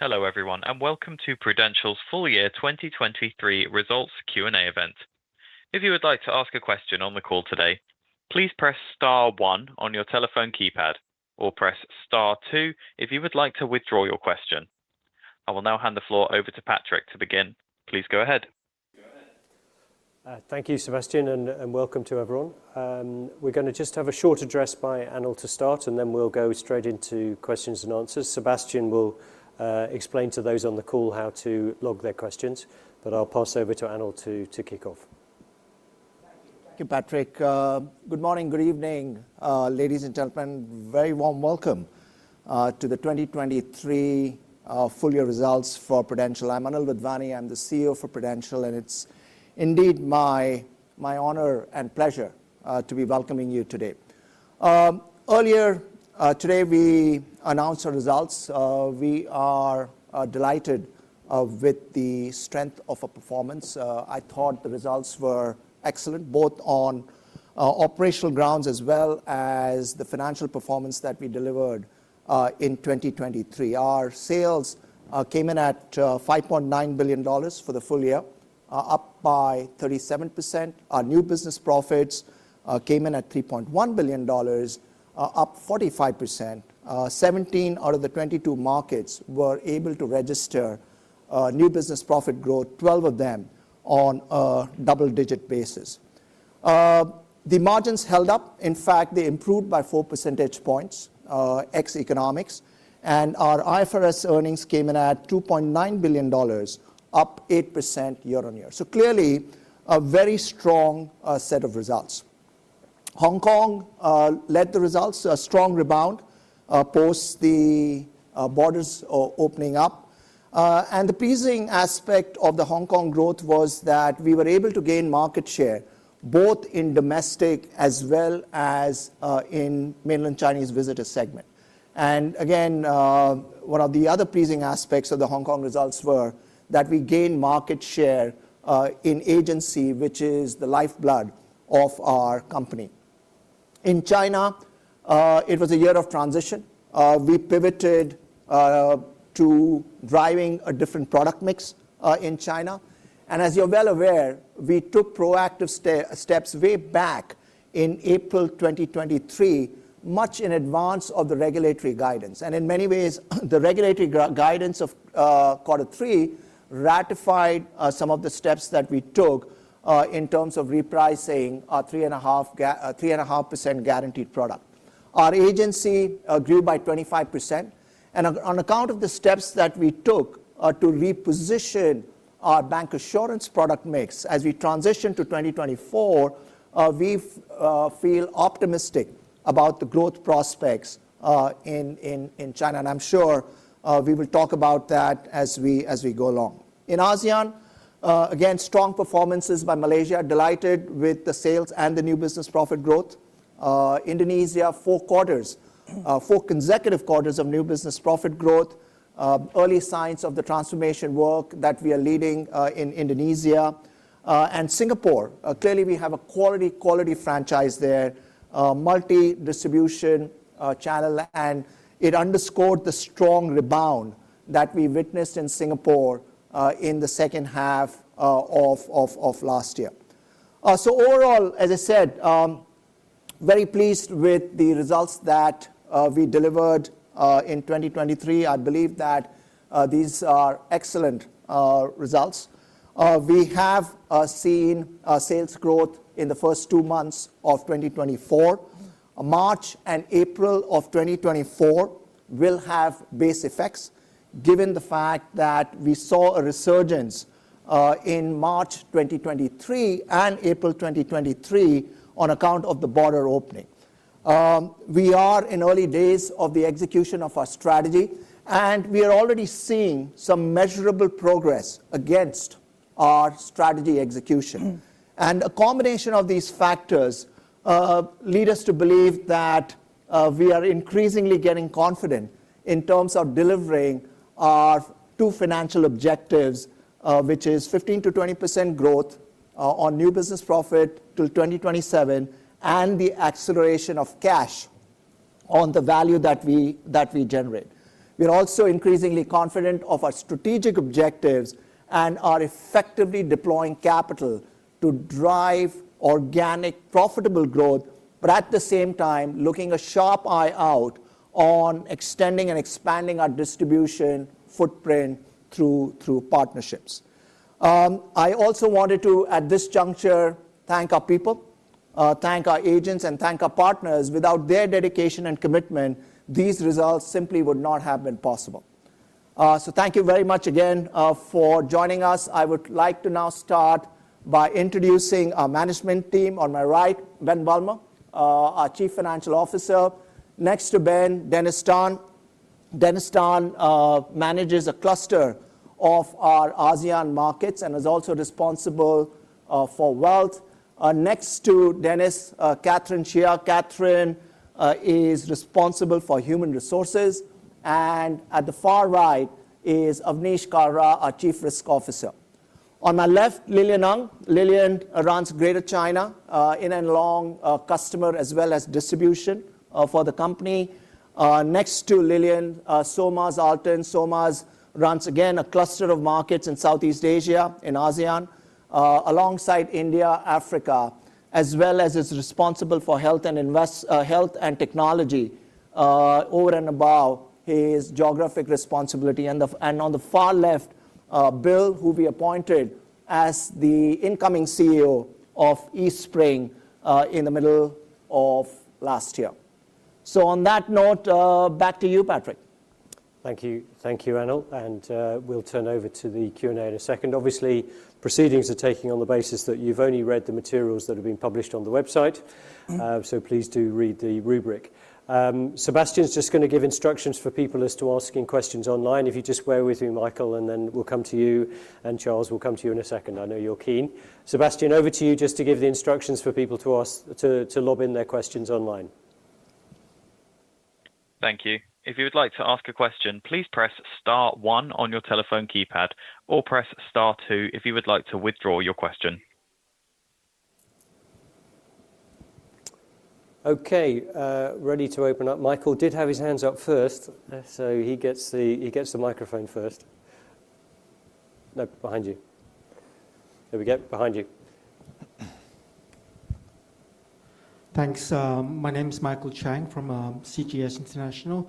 Hello everyone and welcome to Prudential's full year 2023 results Q&A event. If you would like to ask a question on the call today, please press star one on your telephone keypad or press star two if you would like to withdraw your question. I will now hand the floor over to Patrick to begin. Please go ahead. Go ahead. Thank you, Sebastian, and welcome to everyone. We're going to just have a short address by Anil to start, and then we'll go straight into questions and answers. Sebastian will explain to those on the call how to log their questions, but I'll pass over to Anil to kick off. Thank you, Patrick. Good morning, good evening, ladies and gentlemen. Very warm welcome to the 2023 full year results for Prudential. I'm Anil Wadhwani. I'm the CEO for Prudential, and it's indeed my honor and pleasure to be welcoming you today. Earlier today, we announced our results. We are delighted with the strength of our performance. I thought the results were excellent, both on operational grounds as well as the financial performance that we delivered in 2023. Our sales came in at $5.9 billion for the full year, up by 37%. Our new business profits came in at $3.1 billion, up 45%. 17 out of the 22 markets were able to register new business profit growth, 12 of them on a double-digit basis. The margins held up. In fact, they improved by four percentage points, ex-economics. Our IFRS earnings came in at $2.9 billion, up 8% year-on-year. So clearly, a very strong set of results. Hong Kong led the results. A strong rebound post the borders opening up. And the pleasing aspect of the Hong Kong growth was that we were able to gain market share, both in domestic as well as in Mainland Chinese Visitors segment. And again, one of the other pleasing aspects of the Hong Kong results was that we gained market share in agency, which is the lifeblood of our company. In China, it was a year of transition. We pivoted to driving a different product mix in China. And as you're well aware, we took proactive steps way back in April 2023, much in advance of the regulatory guidance. And in many ways, the regulatory guidance of quarter three ratified some of the steps that we took in terms of repricing our 3.5% guaranteed product. Our agency grew by 25%. On account of the steps that we took to reposition our bancassurance product mix as we transition to 2024, we feel optimistic about the growth prospects in China. I'm sure we will talk about that as we go along. In ASEAN, again, strong performances by Malaysia. Delighted with the sales and the new business profit growth. Indonesia, four quarters, four consecutive quarters of new business profit growth, early signs of the transformation work that we are leading in Indonesia. Singapore, clearly we have a quality, quality franchise there, multi-distribution channel. It underscored the strong rebound that we witnessed in Singapore in the second half of last year. Overall, as I said, very pleased with the results that we delivered in 2023. I believe that these are excellent results. We have seen sales growth in the first two months of 2024. March and April of 2024 will have base effects, given the fact that we saw a resurgence in March 2023 and April 2023 on account of the border opening. We are in early days of the execution of our strategy, and we are already seeing some measurable progress against our strategy execution. A combination of these factors lead us to believe that we are increasingly getting confident in terms of delivering our two financial objectives, which is 15%-20% growth on new business profit till 2027, and the acceleration of cash on the value that we generate. We're also increasingly confident of our strategic objectives and are effectively deploying capital to drive organic, profitable growth, but at the same time looking a sharp eye out on extending and expanding our distribution footprint through partnerships. I also wanted to, at this juncture, thank our people, thank our agents, and thank our partners. Without their dedication and commitment, these results simply would not have been possible. So thank you very much again for joining us. I would like to now start by introducing our management team on my right, Ben Bulmer, our Chief Financial Officer. Next to Ben, Dennis Tan. Dennis Tan manages a cluster of our ASEAN markets and is also responsible for wealth. Next to Dennis, Catherine Chia. Catherine is responsible for Human Resources. And at the far right is Avnish Kalra, our Chief Risk Officer. On my left, Lilian Ng. Lilian runs Greater China, in and long customer as well as distribution for the company. Next to Lilian, Solmaz Altin. Solmaz runs, again, a cluster of markets in Southeast Asia, in ASEAN, alongside India, Africa, as well as is responsible for health and technology over and above his geographic responsibility. On the far left, Bill, who we appointed as the incoming CEO of Eastspring in the middle of last year. On that note, back to you, Patrick. Thank you. Thank you, Anil. We'll turn over to the Q&A in a second. Obviously, proceedings are taking place on the basis that you've only read the materials that have been published on the website. So please do read the rubric. Sebastian's just going to give instructions for people as to asking questions online. If you just bear with me, Michael, and then we'll come to you. Charles, we'll come to you in a second. I know you're keen. Sebastian, over to you just to give the instructions for people to type in their questions online. Thank you. If you would like to ask a question, please press star one on your telephone keypad or press star two if you would like to withdraw your question. OK, ready to open up. Michael did have his hands up first, so he gets the microphone first. No, behind you. There we go, behind you. Thanks. My name's Michael Chang from CGS International.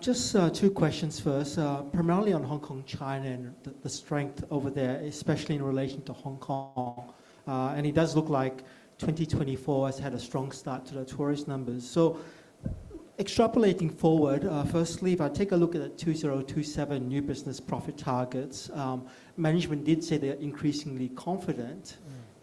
Just two questions first, primarily on Hong Kong, China, and the strength over there, especially in relation to Hong Kong. It does look like 2024 has had a strong start to the tourist numbers. So extrapolating forward, firstly, if I take a look at the 2027 new business profit targets, management did say they're increasingly confident.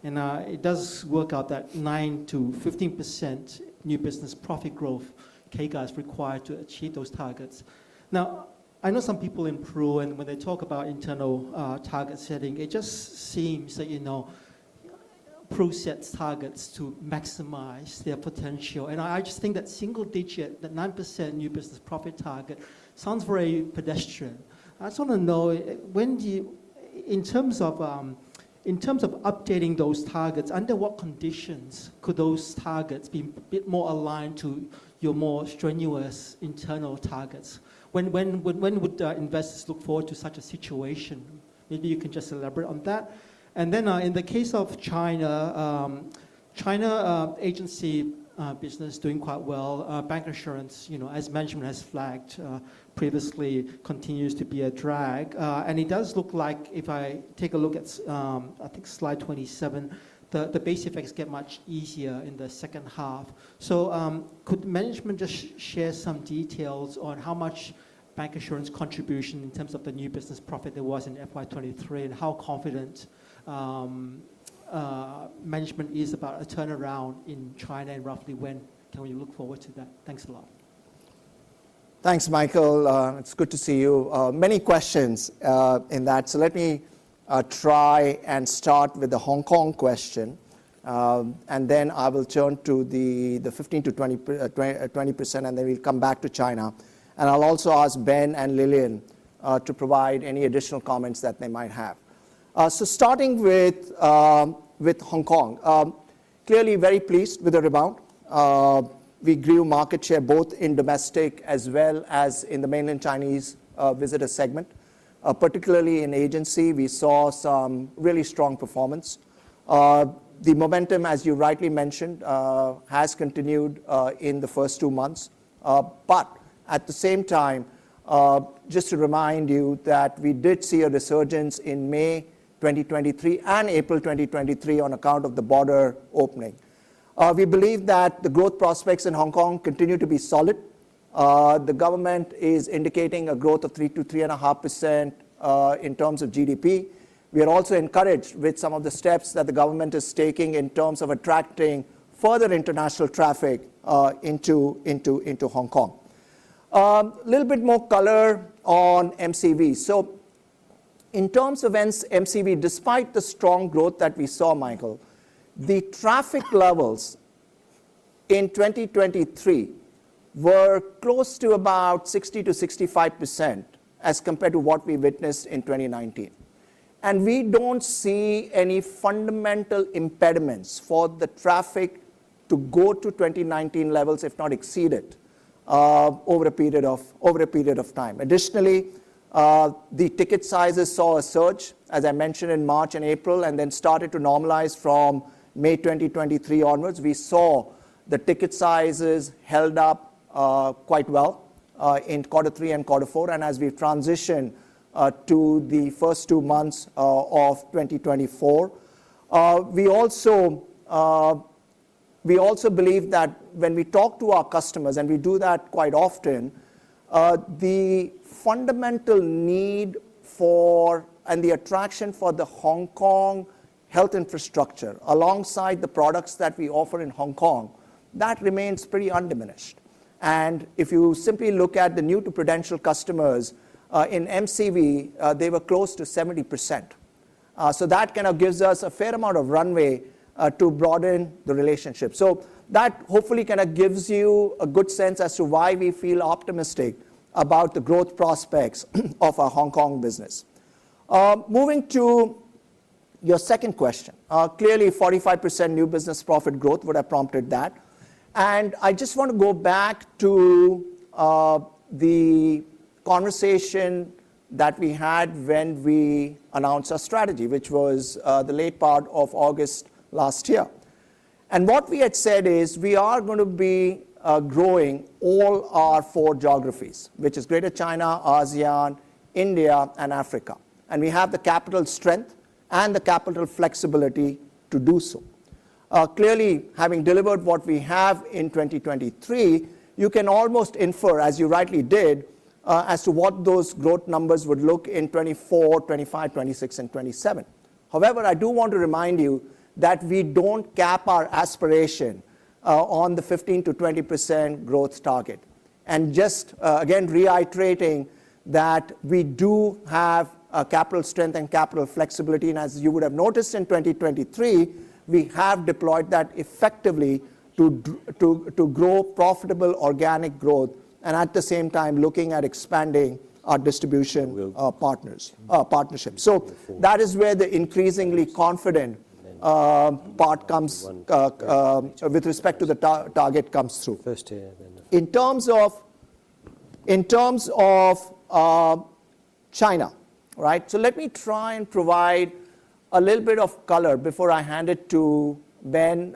It does work out that 9%-15% new business profit growth CAGR is required to achieve those targets. Now, I know some people in Pru, and when they talk about internal target setting, it just seems that Pru sets targets to maximize their potential. I just think that single digit, that 9% new business profit target, sounds very pedestrian. I just want to know, in terms of updating those targets, under what conditions could those targets be a bit more aligned to your more strenuous internal targets? When would investors look forward to such a situation? Maybe you can just elaborate on that. And then in the case of China, China agency business doing quite well. Bancassurance, as management has flagged previously, continues to be a drag. And it does look like, if I take a look at, I think, slide 27, the base effects get much easier in the second half. So could management just share some details on how much bancassurance contribution in terms of the new business profit there was in FY23 and how confident management is about a turnaround in China and roughly when? Can we look forward to that? Thanks a lot. Thanks, Michael. It's good to see you. Many questions in that. So let me try and start with the Hong Kong question. Then I will turn to the 15%-20%, and then we'll come back to China. I'll also ask Ben and Lilian to provide any additional comments that they might have. Starting with Hong Kong, clearly very pleased with the rebound. We grew market share both in domestic as well as in the mainland Chinese visitors segment. Particularly in agency, we saw some really strong performance. The momentum, as you rightly mentioned, has continued in the first two months. But at the same time, just to remind you that we did see a resurgence in May 2023 and April 2023 on account of the border opening. We believe that the growth prospects in Hong Kong continue to be solid. The government is indicating a growth of 3%-3.5% in terms of GDP. We are also encouraged with some of the steps that the government is taking in terms of attracting further international traffic into Hong Kong. A little bit more color on MCV. So in terms of MCV, despite the strong growth that we saw, Michael, the traffic levels in 2023 were close to about 60%-65% as compared to what we witnessed in 2019. And we don't see any fundamental impediments for the traffic to go to 2019 levels, if not exceed it, over a period of time. Additionally, the ticket sizes saw a surge, as I mentioned, in March and April, and then started to normalize from May 2023 onwards. We saw the ticket sizes held up quite well in quarter three and quarter four. As we transition to the first two months of 2024, we also believe that when we talk to our customers, and we do that quite often, the fundamental need for and the attraction for the Hong Kong health infrastructure alongside the products that we offer in Hong Kong, that remains pretty undiminished. If you simply look at the new to Prudential customers in MCV, they were close to 70%. That kind of gives us a fair amount of runway to broaden the relationship. That hopefully kind of gives you a good sense as to why we feel optimistic about the growth prospects of our Hong Kong business. Moving to your second question, clearly 45% new business profit growth would have prompted that. I just want to go back to the conversation that we had when we announced our strategy, which was the late part of August last year. What we had said is we are going to be growing all our four geographies, which is Greater China, ASEAN, India, and Africa. We have the capital strength and the capital flexibility to do so. Clearly, having delivered what we have in 2023, you can almost infer, as you rightly did, as to what those growth numbers would look in 2024, 2025, 2026, and 2027. However, I do want to remind you that we don't cap our aspiration on the 15%-20% growth target. Just again, reiterating that we do have capital strength and capital flexibility. As you would have noticed in 2023, we have deployed that effectively to grow profitable organic growth and at the same time looking at expanding our distribution partnership. That is where the increasingly confident part comes with respect to the target comes through. In terms of China, right, so let me try and provide a little bit of color before I hand it to Ben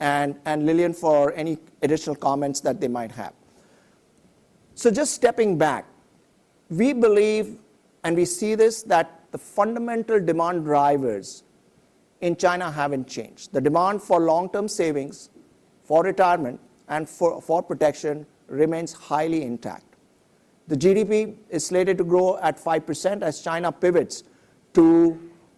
and Lilian for any additional comments that they might have. Just stepping back, we believe, and we see this, that the fundamental demand drivers in China haven't changed. The demand for long-term savings for retirement and for protection remains highly intact. The GDP is slated to grow at 5% as China pivots to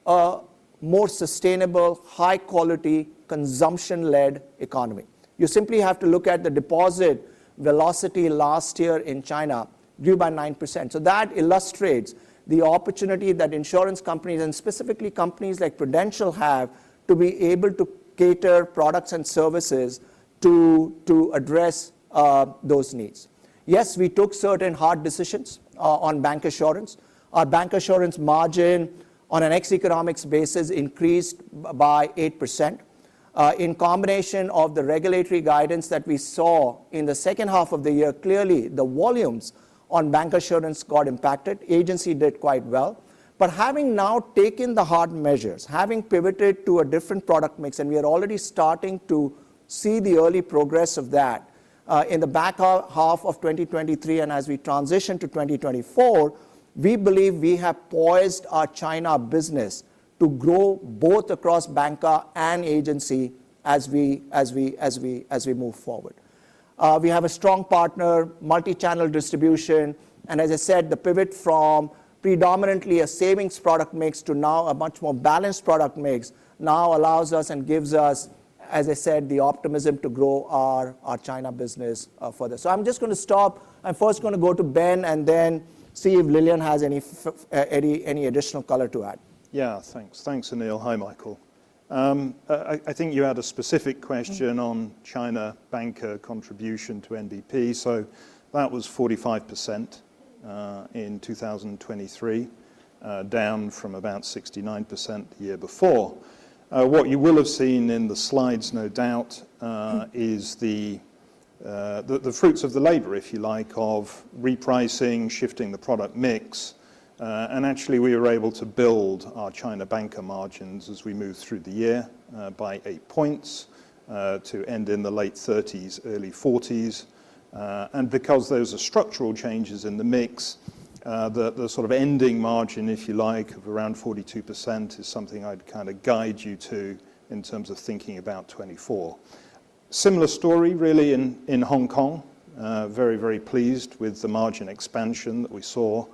a more sustainable, high-quality, consumption-led economy. You simply have to look at the deposit velocity last year in China grew by 9%. So that illustrates the opportunity that insurance companies, and specifically companies like Prudential, have to be able to cater products and services to address those needs. Yes, we took certain hard decisions on bancassurance. Our bancassurance margin on an ex-economic basis increased by 8%. In combination of the regulatory guidance that we saw in the second half of the year, clearly the volumes on bancassurance got impacted. Agency did quite well. But having now taken the hard measures, having pivoted to a different product mix, and we are already starting to see the early progress of that in the back half of 2023 and as we transition to 2024, we believe we have poised our China business to grow both across bancassurance and agency as we move forward. We have a strong partner, multi-channel distribution. And as I said, the pivot from predominantly a savings product mix to now a much more balanced product mix now allows us and gives us, as I said, the optimism to grow our China business further. So I'm just going to stop. I'm first going to go to Ben and then see if Lilian has any additional color to add. Yeah, thanks. Thanks, Anil. Hi, Michael. I think you had a specific question on China banca contribution to NDP. So that was 45% in 2023, down from about 69% the year before. What you will have seen in the slides, no doubt, is the fruits of the labor, if you like, of repricing, shifting the product mix. And actually, we were able to build our China banca margins as we move through the year by 8 points to end in the late 30s, early 40s. And because those are structural changes in the mix, the sort of ending margin, if you like, of around 42% is something I'd kind of guide you to in terms of thinking about 2024. Similar story, really, in Hong Kong. Very, very pleased with the margin expansion that we saw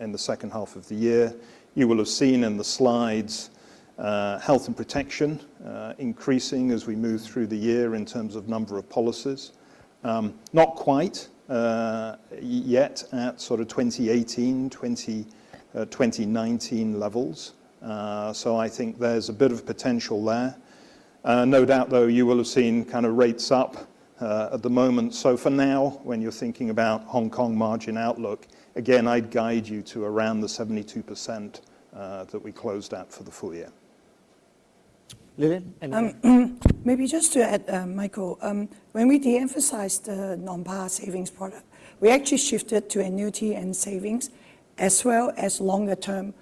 in the second half of the year. You will have seen in the slides health and protection increasing as we move through the year in terms of number of policies. Not quite yet at sort of 2018, 2019 levels. So I think there's a bit of potential there. No doubt, though, you will have seen kind of rates up at the moment. So for now, when you're thinking about Hong Kong margin outlook, again, I'd guide you to around the 72% that we closed at for the full year. Lilian? Maybe just to add, Michael. When we de-emphasized the non-par savings product, we actually shifted to annuity and savings as well as longer-term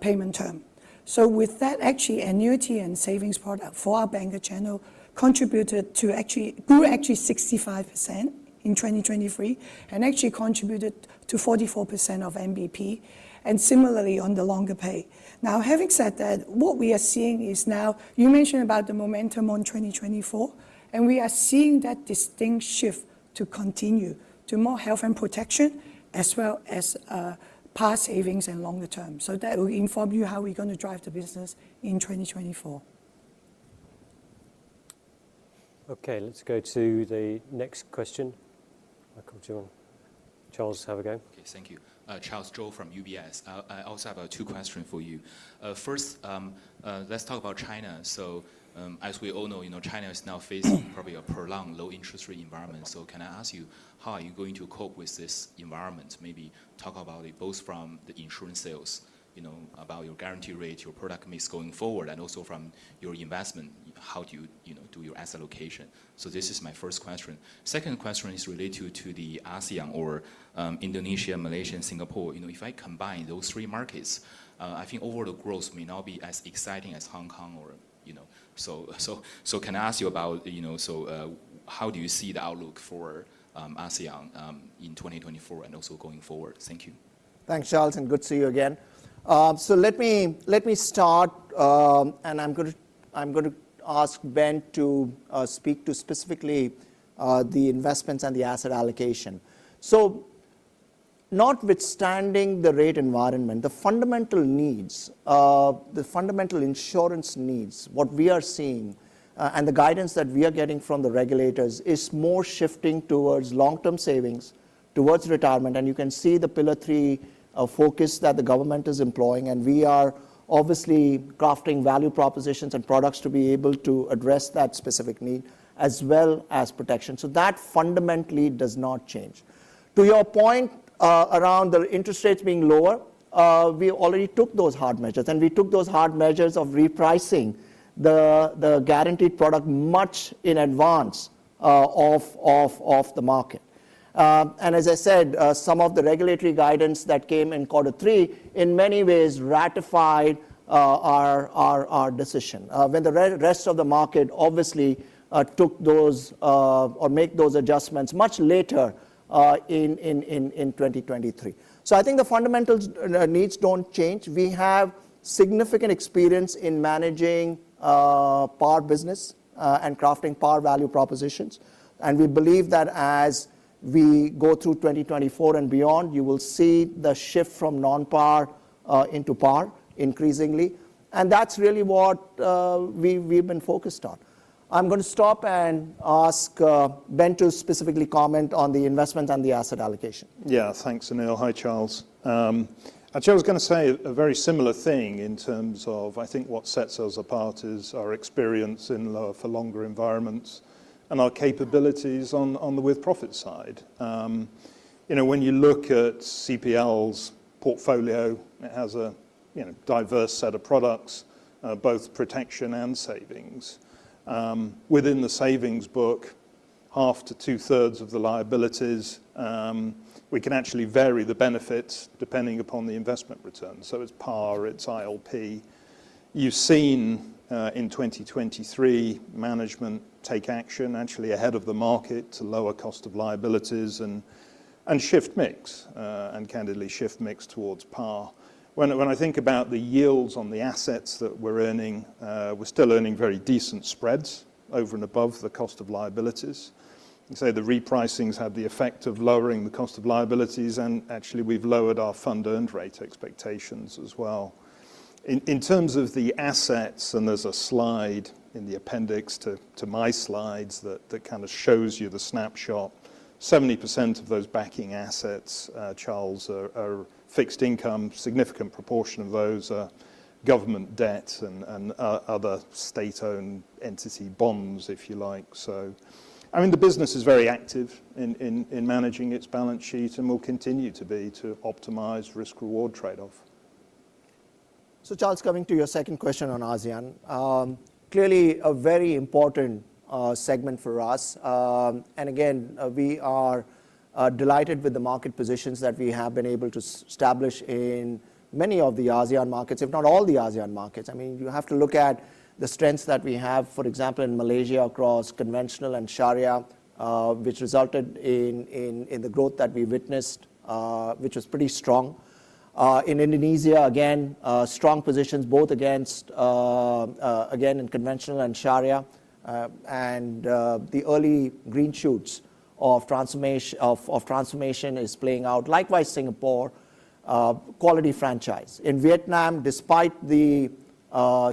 payment term. So with that, actually, annuity and savings product for our banker channel contributed to actually grew actually 65% in 2023 and actually contributed to 44% of NBP and similarly on the longer pay. Now, having said that, what we are seeing is now you mentioned about the momentum on 2024. And we are seeing that distinct shift to continue to more health and protection as well as par savings and longer term. So that will inform you how we're going to drive the business in 2024. OK, let's go to the next question. Michelle Jewell. Charles, have a go. OK, thank you. I also have two questions for you. First, let's talk about China. So as we all know, China is now facing probably a prolonged low-interest rate environment. So can I ask you, how are you going to cope with this environment? Maybe talk about it both from the insurance sales, about your guarantee rate, your product mix going forward, and also from your investment, how do you do your asset allocation? So this is my first question. Second question is related to the ASEAN or Indonesia, Malaysia, Singapore. If I combine those three markets, I think overall growth may not be as exciting as Hong Kong or so. Can I ask you about so how do you see the outlook for ASEAN in 2024 and also going forward? Thank you. Thanks, Charles. And good to see you again. So let me start. And I'm going to ask Ben to speak to specifically the investments and the asset allocation. So notwithstanding the rate environment, the fundamental needs, the fundamental insurance needs, what we are seeing and the guidance that we are getting from the regulators is more shifting towards long-term savings, towards retirement. And you can see the pillar three focus that the government is employing. And we are obviously crafting value propositions and products to be able to address that specific need as well as protection. So that fundamentally does not change. To your point around the interest rates being lower, we already took those hard measures. And we took those hard measures of repricing the guaranteed product much in advance of the market. As I said, some of the regulatory guidance that came in quarter three in many ways ratified our decision when the rest of the market obviously took those or made those adjustments much later in 2023. I think the fundamental needs don't change. We have significant experience in managing par business and crafting par value propositions. We believe that as we go through 2024 and beyond, you will see the shift from non-par into par increasingly. That's really what we've been focused on. I'm going to stop and ask Ben to specifically comment on the investments and the asset allocation. Yeah, thanks, Anil. Hi, Charles. Actually, I was going to say a very similar thing in terms of I think what sets us apart is our experience in longer environments and our capabilities on the with-profit side. When you look at CPL's portfolio, it has a diverse set of products, both protection and savings. Within the savings book, 1/2-2/3 of the liabilities, we can actually vary the benefits depending upon the investment return. So it's par. It's ILP. You've seen in 2023 management take action actually ahead of the market to lower cost of liabilities and shift mix and candidly shift mix towards par. When I think about the yields on the assets that we're earning, we're still earning very decent spreads over and above the cost of liabilities. You say the repricings have the effect of lowering the cost of liabilities. And actually, we've lowered our fund earned rate expectations as well. In terms of the assets and there's a slide in the appendix to my slides that kind of shows you the snapshot. 70% of those backing assets, Charles, are fixed income. A significant proportion of those are government debt and other state-owned entity bonds, if you like. So I mean, the business is very active in managing its balance sheet and will continue to be to optimize risk-reward trade-off. So Charles, coming to your second question on ASEAN, clearly a very important segment for us. And again, we are delighted with the market positions that we have been able to establish in many of the ASEAN markets, if not all the ASEAN markets. I mean, you have to look at the strengths that we have, for example, in Malaysia across conventional and Sharia, which resulted in the growth that we witnessed, which was pretty strong. In Indonesia, again, strong positions both against again in conventional and Sharia. And the early green shoots of transformation is playing out. Likewise, Singapore, quality franchise. In Vietnam, despite the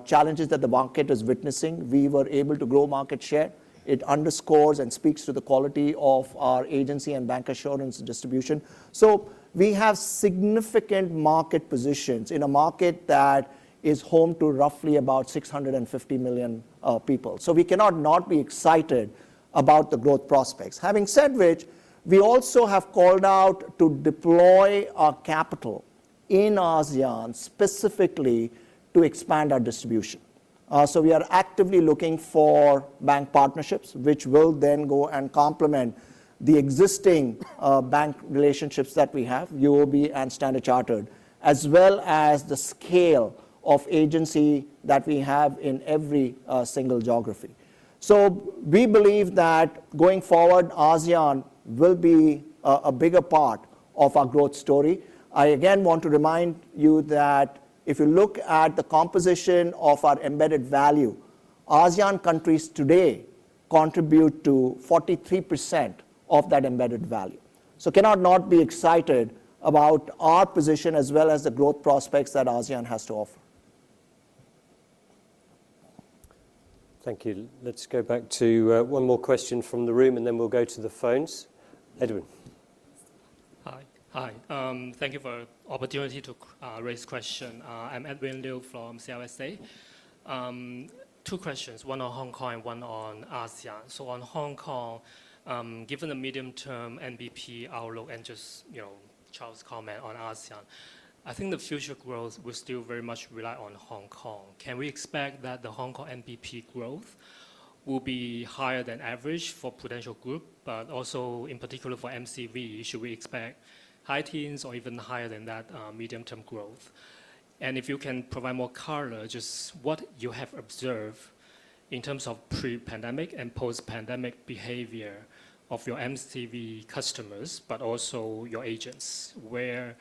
challenges that the market is witnessing, we were able to grow market share. It underscores and speaks to the quality of our agency and bancassurance distribution. So we have significant market positions in a market that is home to roughly about 650 million people. So we cannot not be excited about the growth prospects. Having said which, we also have called out to deploy our capital in ASEAN specifically to expand our distribution. So we are actively looking for bank partnerships, which will then go and complement the existing bank relationships that we have, UOB and Standard Chartered, as well as the scale of agency that we have in every single geography. So we believe that going forward, ASEAN will be a bigger part of our growth story. I again want to remind you that if you look at the composition of our embedded value, ASEAN countries today contribute to 43% of that embedded value. So cannot not be excited about our position as well as the growth prospects that ASEAN has to offer. Thank you. Let's go back to one more question from the room. Then we'll go to the phones. Edwin. Hi. Hi. Thank you for the opportunity to raise a question. I'm Edwin Liu from CLSA. Two questions, one on Hong Kong and one on ASEAN. So on Hong Kong, given the medium-term NBP outlook and just Charles' comment on ASEAN, I think the future growth will still very much rely on Hong Kong. Can we expect that the Hong Kong NBP growth will be higher than average for Prudential Group, but also in particular for MCV? Should we expect high teens or even higher than that medium-term growth? And if you can provide more color, just what you have observed in terms of pre-pandemic and post-pandemic behavior of your MCV customers, but also your agents. Where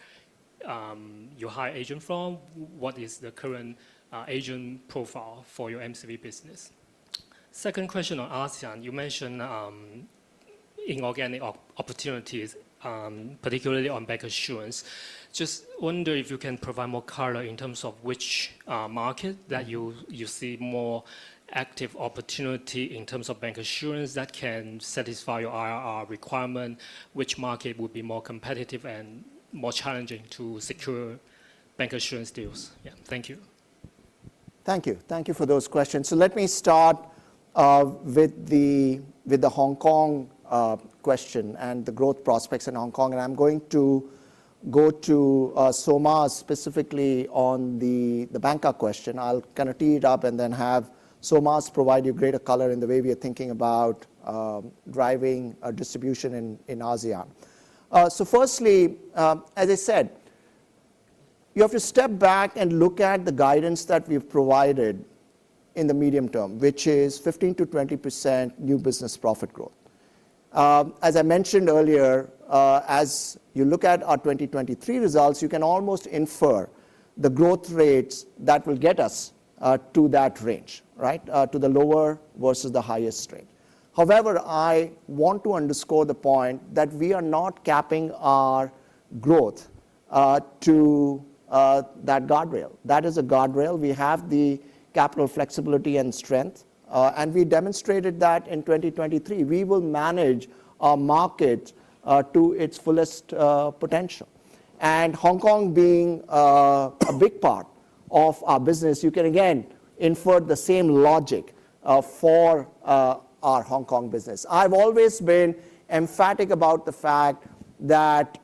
you hire agents from, what is the current agent profile for your MCV business? Second question on ASEAN. You mentioned inorganic opportunities, particularly on bancassurance. Just wonder if you can provide more color in terms of which market that you see more active opportunity in terms of bancassurance that can satisfy your IRR requirement, which market would be more competitive and more challenging to secure bancassurance deals. Yeah, thank you. Thank you. Thank you for those questions. So let me start with the Hong Kong question and the growth prospects in Hong Kong. And I'm going to go to Solmaz specifically on the banker question. I'll kind of tee it up and then have Solmaz provide you greater color in the way we are thinking about driving a distribution in ASEAN. So firstly, as I said, you have to step back and look at the guidance that we've provided in the medium term, which is 15%-20% new business profit growth. As I mentioned earlier, as you look at our 2023 results, you can almost infer the growth rates that will get us to that range, right, to the lower versus the highest rate. However, I want to underscore the point that we are not capping our growth to that guardrail. That is a guardrail. We have the capital flexibility and strength. We demonstrated that in 2023. We will manage our market to its fullest potential. Hong Kong being a big part of our business, you can, again, infer the same logic for our Hong Kong business. I've always been emphatic about the fact that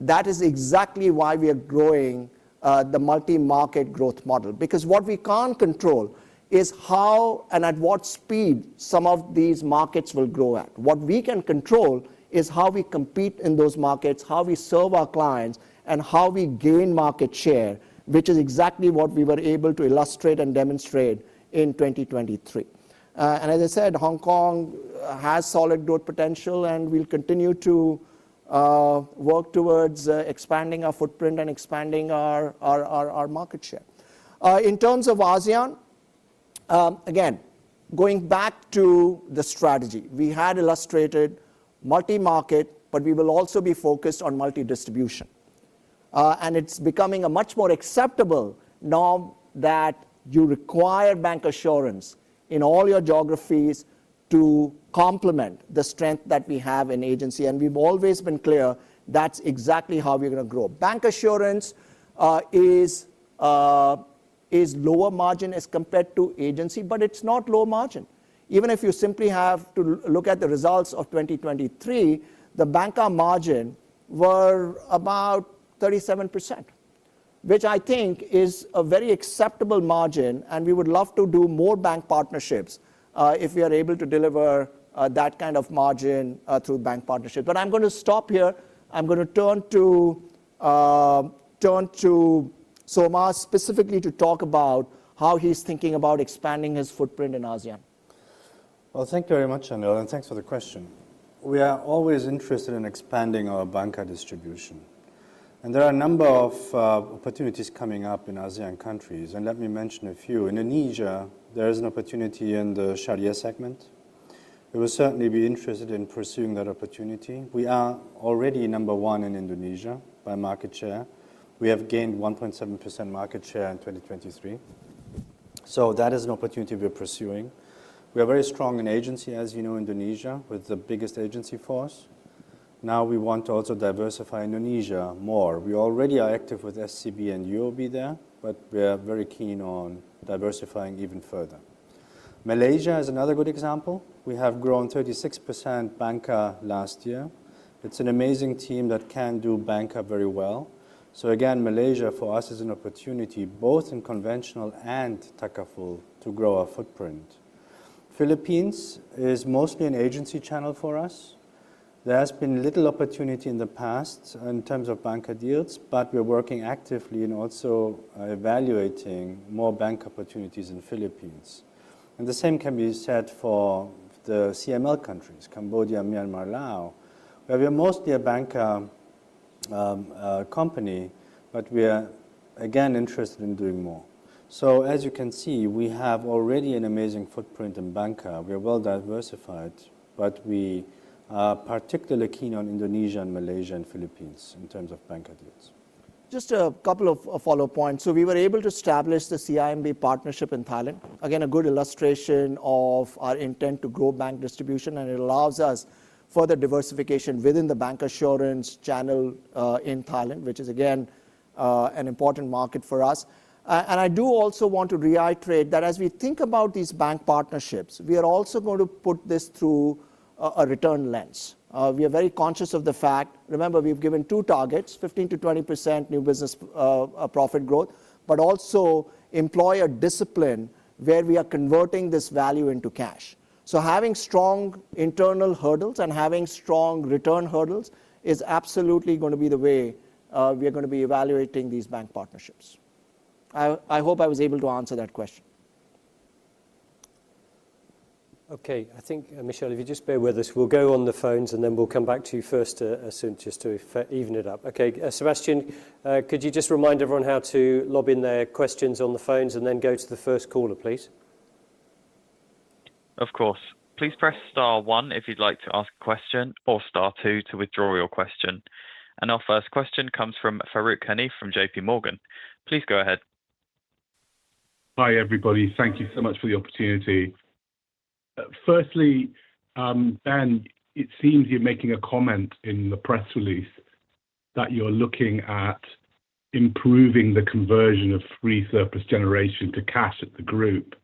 that is exactly why we are growing the multi-market growth model. Because what we can't control is how and at what speed some of these markets will grow at. What we can control is how we compete in those markets, how we serve our clients, and how we gain market share, which is exactly what we were able to illustrate and demonstrate in 2023. As I said, Hong Kong has solid growth potential. We'll continue to work towards expanding our footprint and expanding our market share. In terms of ASEAN, again, going back to the strategy, we had illustrated multi-market, but we will also be focused on multi-distribution. It's becoming a much more acceptable norm that you require bancassurance in all your geographies to complement the strength that we have in agency. We've always been clear that's exactly how we're going to grow. Bancassurance is lower margin as compared to agency. But it's not low margin. Even if you simply have to look at the results of 2023, the bancassurance margin was about 37%, which I think is a very acceptable margin. We would love to do more bank partnerships if we are able to deliver that kind of margin through bank partnerships. But I'm going to stop here. I'm going to turn to Solmaz specifically to talk about how he's thinking about expanding his footprint in ASEAN. Well, thank you very much, Anil. Thanks for the question. We are always interested in expanding our banker distribution. There are a number of opportunities coming up in ASEAN countries. Let me mention a few. Indonesia, there is an opportunity in the Sharia segment. We will certainly be interested in pursuing that opportunity. We are already number one in Indonesia by market share. We have gained 1.7% market share in 2023. So that is an opportunity we are pursuing. We are very strong in agency, as you know, Indonesia with the biggest agency force. Now we want to also diversify Indonesia more. We already are active with SCB and UOB there. But we are very keen on diversifying even further. Malaysia is another good example. We have grown 36% banker last year. It's an amazing team that can do banker very well. So again, Malaysia for us is an opportunity, both in conventional and Takaful, to grow our footprint. Philippines is mostly an agency channel for us. There has been little opportunity in the past in terms of bancassurance deals. But we're working actively in also evaluating more bancassurance opportunities in Philippines. And the same can be said for the CML countries, Cambodia, Myanmar, Laos, where we are mostly a bancassurance company. But we are, again, interested in doing more. So as you can see, we have already an amazing footprint in bancassurance. We are well diversified. But we are particularly keen on Indonesia, Malaysia, and Philippines in terms of bancassurance deals. Just a couple of follow-up points. So we were able to establish the CIMB partnership in Thailand, again, a good illustration of our intent to grow bank distribution. It allows us further diversification within the bancassurance channel in Thailand, which is, again, an important market for us. I do also want to reiterate that as we think about these bank partnerships, we are also going to put this through a return lens. We are very conscious of the fact, remember, we've given two targets, 15%-20% new business profit growth, but also employ a discipline where we are converting this value into cash. So having strong internal hurdles and having strong return hurdles is absolutely going to be the way we are going to be evaluating these bank partnerships. I hope I was able to answer that question. OK. I think, Michelle, if you just bear with us, we'll go on the phones. And then we'll come back to you first as soon just to even it up. OK, Sebastian, could you just remind everyone how to queue in their questions on the phones? And then go to the first caller, please. Of course. Please press star 1 if you'd like to ask a question or star two to withdraw your question. Our first question comes from Farooq Hanif from J.P. Morgan. Please go ahead. Hi, everybody. Thank you so much for the opportunity. Firstly, Ben, it seems you're making a comment in the press release that you're looking at improving the conversion of free surplus generation to cash at the group.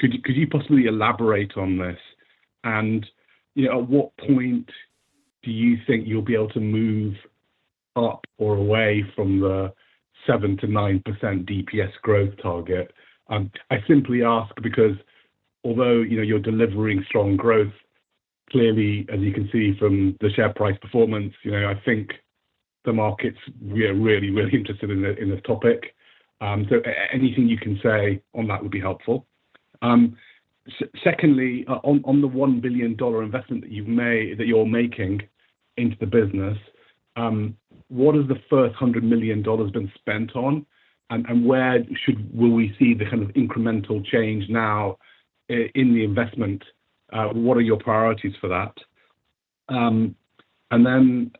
Could you possibly elaborate on this? And at what point do you think you'll be able to move up or away from the 7%-9% DPS growth target? I simply ask because although you're delivering strong growth, clearly, as you can see from the share price performance, I think the markets are really, really interested in this topic. So anything you can say on that would be helpful. Secondly, on the $1 billion investment that you're making into the business, what has the first $100 million been spent on? And where will we see the kind of incremental change now in the investment? What are your priorities for that? Then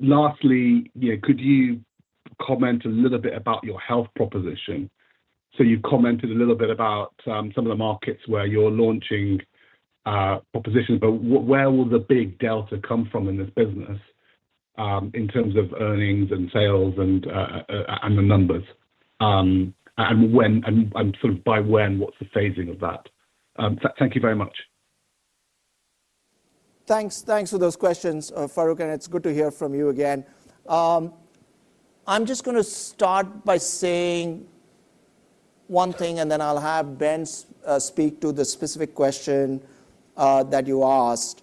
lastly, could you comment a little bit about your health proposition? You've commented a little bit about some of the markets where you're launching propositions. Where will the big delta come from in this business in terms of earnings and sales and the numbers? Sort of by when, what's the phasing of that? Thank you very much. Thanks for those questions, Farooq. It's good to hear from you again. I'm just going to start by saying one thing. Then I'll have Ben speak to the specific question that you asked.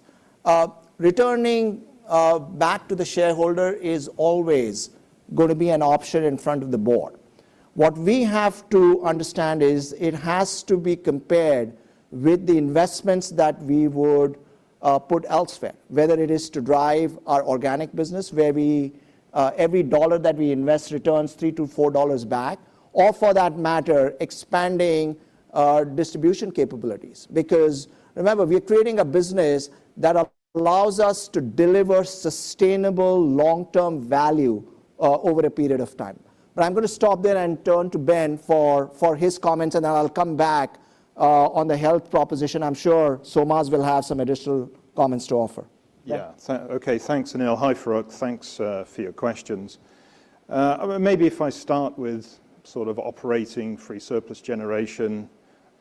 Returning back to the shareholder is always going to be an option in front of the board. What we have to understand is it has to be compared with the investments that we would put elsewhere, whether it is to drive our organic business, where every dollar that we invest returns $3-$4 back, or for that matter, expanding our distribution capabilities. Because remember, we are creating a business that allows us to deliver sustainable, long-term value over a period of time. But I'm going to stop there and turn to Ben for his comments. Then I'll come back on the health proposition. I'm sure Solmaz will have some additional comments to offer. Yeah. OK, thanks, Anil. Hi, Farooq. Thanks for your questions. Maybe if I start with sort of operating free surplus generation.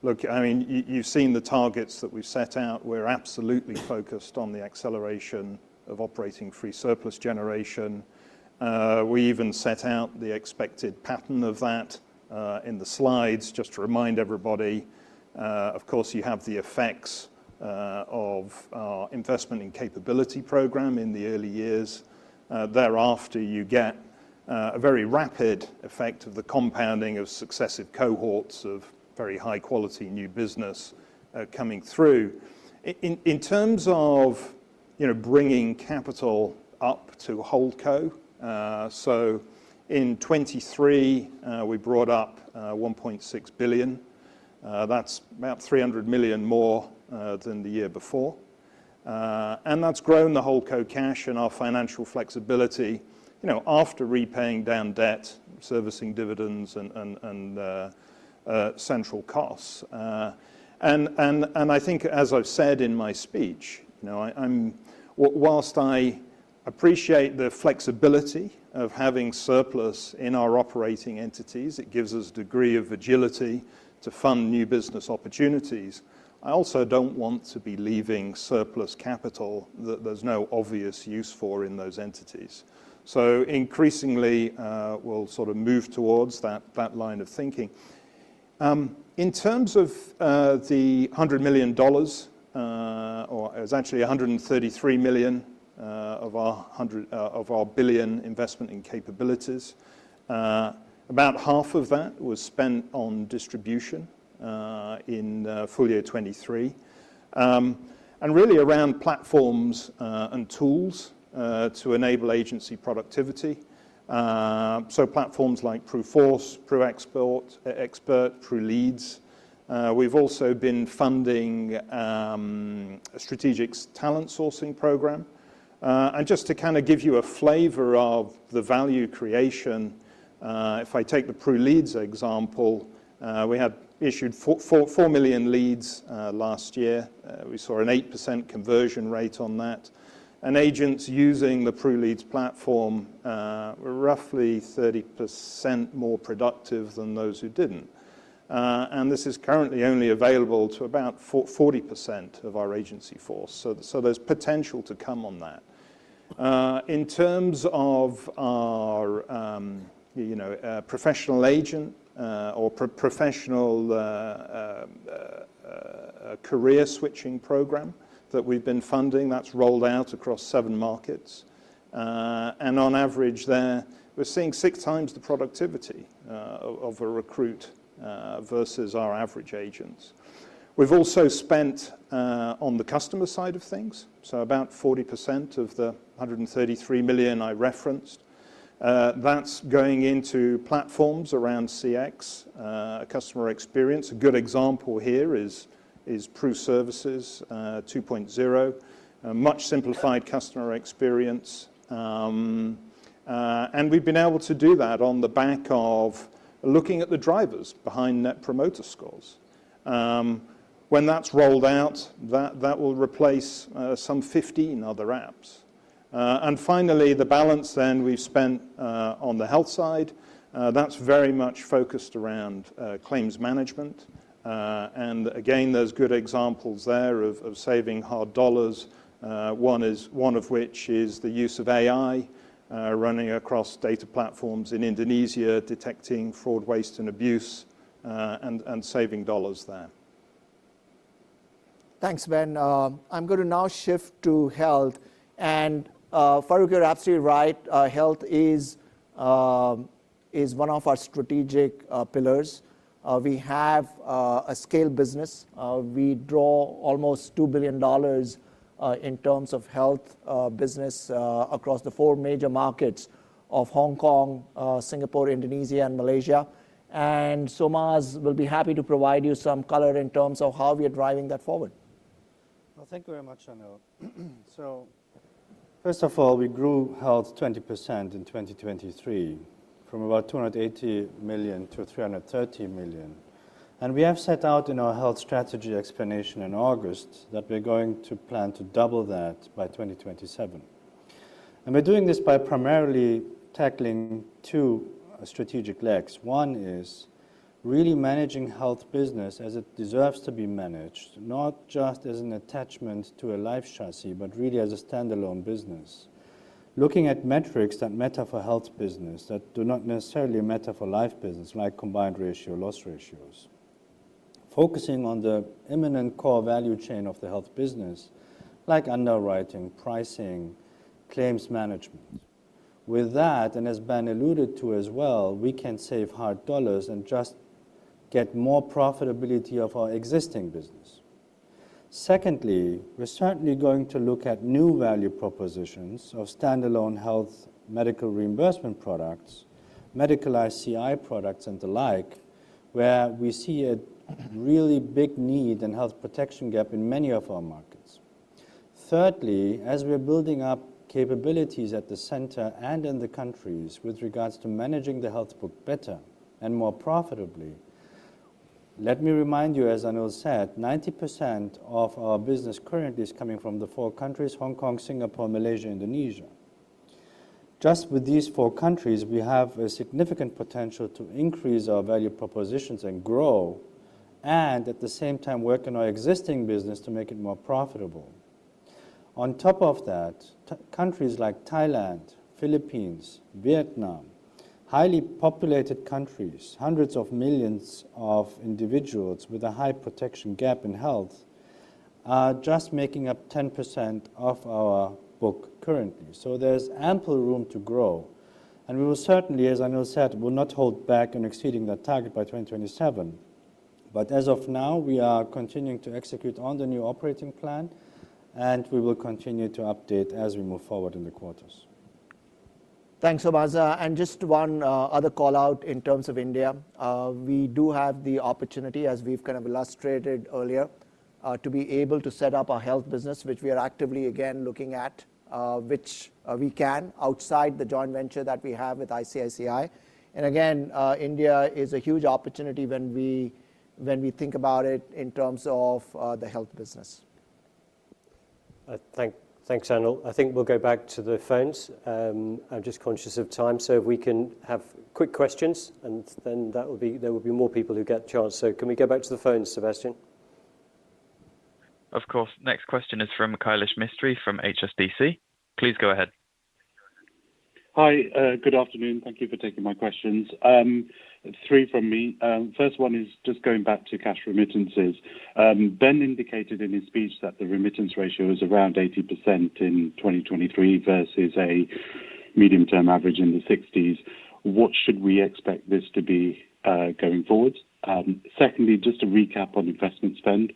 Look, I mean, you've seen the targets that we've set out. We're absolutely focused on the acceleration of operating free surplus generation. We even set out the expected pattern of that in the slides just to remind everybody. Of course, you have the effects of our investment in capability program in the early years. Thereafter, you get a very rapid effect of the compounding of successive cohorts of very high-quality new business coming through. In terms of bringing capital up to HoldCo, so in 2023, we brought up $1.6 billion. That's about $300 million more than the year before. And that's grown the HoldCo cash and our financial flexibility after repaying down debt, servicing dividends, and central costs. I think, as I've said in my speech, while I appreciate the flexibility of having surplus in our operating entities, it gives us a degree of agility to fund new business opportunities. I also don't want to be leaving surplus capital that there's no obvious use for in those entities. Increasingly, we'll sort of move towards that line of thinking. In terms of the $100 million, or it was actually $133 million of our $1 billion investment in capabilities, about half of that was spent on distribution in full year 2023 and really around platforms and tools to enable agency productivity. Platforms like PRUForce, PRUExpert, PRULeads. We've also been funding a strategic talent sourcing program. Just to kind of give you a flavor of the value creation, if I take the PRULeads example, we had issued 4 million leads last year. We saw an 8% conversion rate on that. Agents using the PRULeads platform were roughly 30% more productive than those who didn't. This is currently only available to about 40% of our agency force. There's potential to come on that. In terms of our professional agent or professional career switching program that we've been funding, that's rolled out across seven markets. On average, there, we're seeing 6 times the productivity of a recruit versus our average agents. We've also spent on the customer side of things, so about 40% of the $133 million I referenced. That's going into platforms around CX, customer experience. A good example here is PRUServices 2.0, much simplified customer experience. We've been able to do that on the back of looking at the drivers behind net promoter scores. When that's rolled out, that will replace some 15 other apps. Finally, the balance then we've spent on the health side, that's very much focused around claims management. Again, there's good examples there of saving hard dollars, one of which is the use of AI running across data platforms in Indonesia, detecting fraud, waste, and abuse, and saving dollars there. Thanks, Ben. I'm going to now shift to health. Farooq, you're absolutely right. Health is one of our strategic pillars. We have a scale business. We draw almost $2 billion in terms of health business across the four major markets of Hong Kong, Singapore, Indonesia, and Malaysia. Solmaz will be happy to provide you some color in terms of how we are driving that forward. Well, thank you very much, Anil. First of all, we grew health 20% in 2023 from about $280 million to $330 million. We have set out in our health strategy explanation in August that we're going to plan to double that by 2027. We're doing this by primarily tackling two strategic legs. One is really managing health business as it deserves to be managed, not just as an attachment to a life chassis, but really as a standalone business, looking at metrics that matter for health business that do not necessarily matter for life business, like combined ratio or loss ratios, focusing on the imminent core value chain of the health business, like underwriting, pricing, claims management. With that, and as Ben alluded to as well, we can save hard dollars and just get more profitability of our existing business. Secondly, we're certainly going to look at new value propositions of standalone health medical reimbursement products, medical ICI products, and the like, where we see a really big need and health protection gap in many of our markets. Thirdly, as we're building up capabilities at the center and in the countries with regards to managing the health book better and more profitably, let me remind you, as Anil said, 90% of our business currently is coming from the four countries: Hong Kong, Singapore, Malaysia, and Indonesia. Just with these four countries, we have a significant potential to increase our value propositions and grow, and at the same time, work on our existing business to make it more profitable. On top of that, countries like Thailand, Philippines, Vietnam, highly populated countries, hundreds of millions of individuals with a high protection gap in health, are just making up 10% of our book currently. There's ample room to grow. We will certainly, as Anil said, will not hold back on exceeding that target by 2027. As of now, we are continuing to execute on the new operating plan. We will continue to update as we move forward in the quarters. Thanks, Solmaz Altin. And just one other call out in terms of India. We do have the opportunity, as we've kind of illustrated earlier, to be able to set up our health business, which we are actively, again, looking at, which we can outside the joint venture that we have with ICICI. And again, India is a huge opportunity when we think about it in terms of the health business. Thanks, Anil. I think we'll go back to the phones. I'm just conscious of time. So if we can have quick questions, and then there will be more people who get a chance. So can we go back to the phones, Sebastian? Of course. Next question is from Kailash Mistry from HSBC. Please go ahead. Hi. Good afternoon. Thank you for taking my questions. Three from me. First one is just going back to cash remittances. Ben indicated in his speech that the remittance ratio is around 80% in 2023 versus a medium-term average in the 60s%. What should we expect this to be going forward? Secondly, just to recap on investment spend,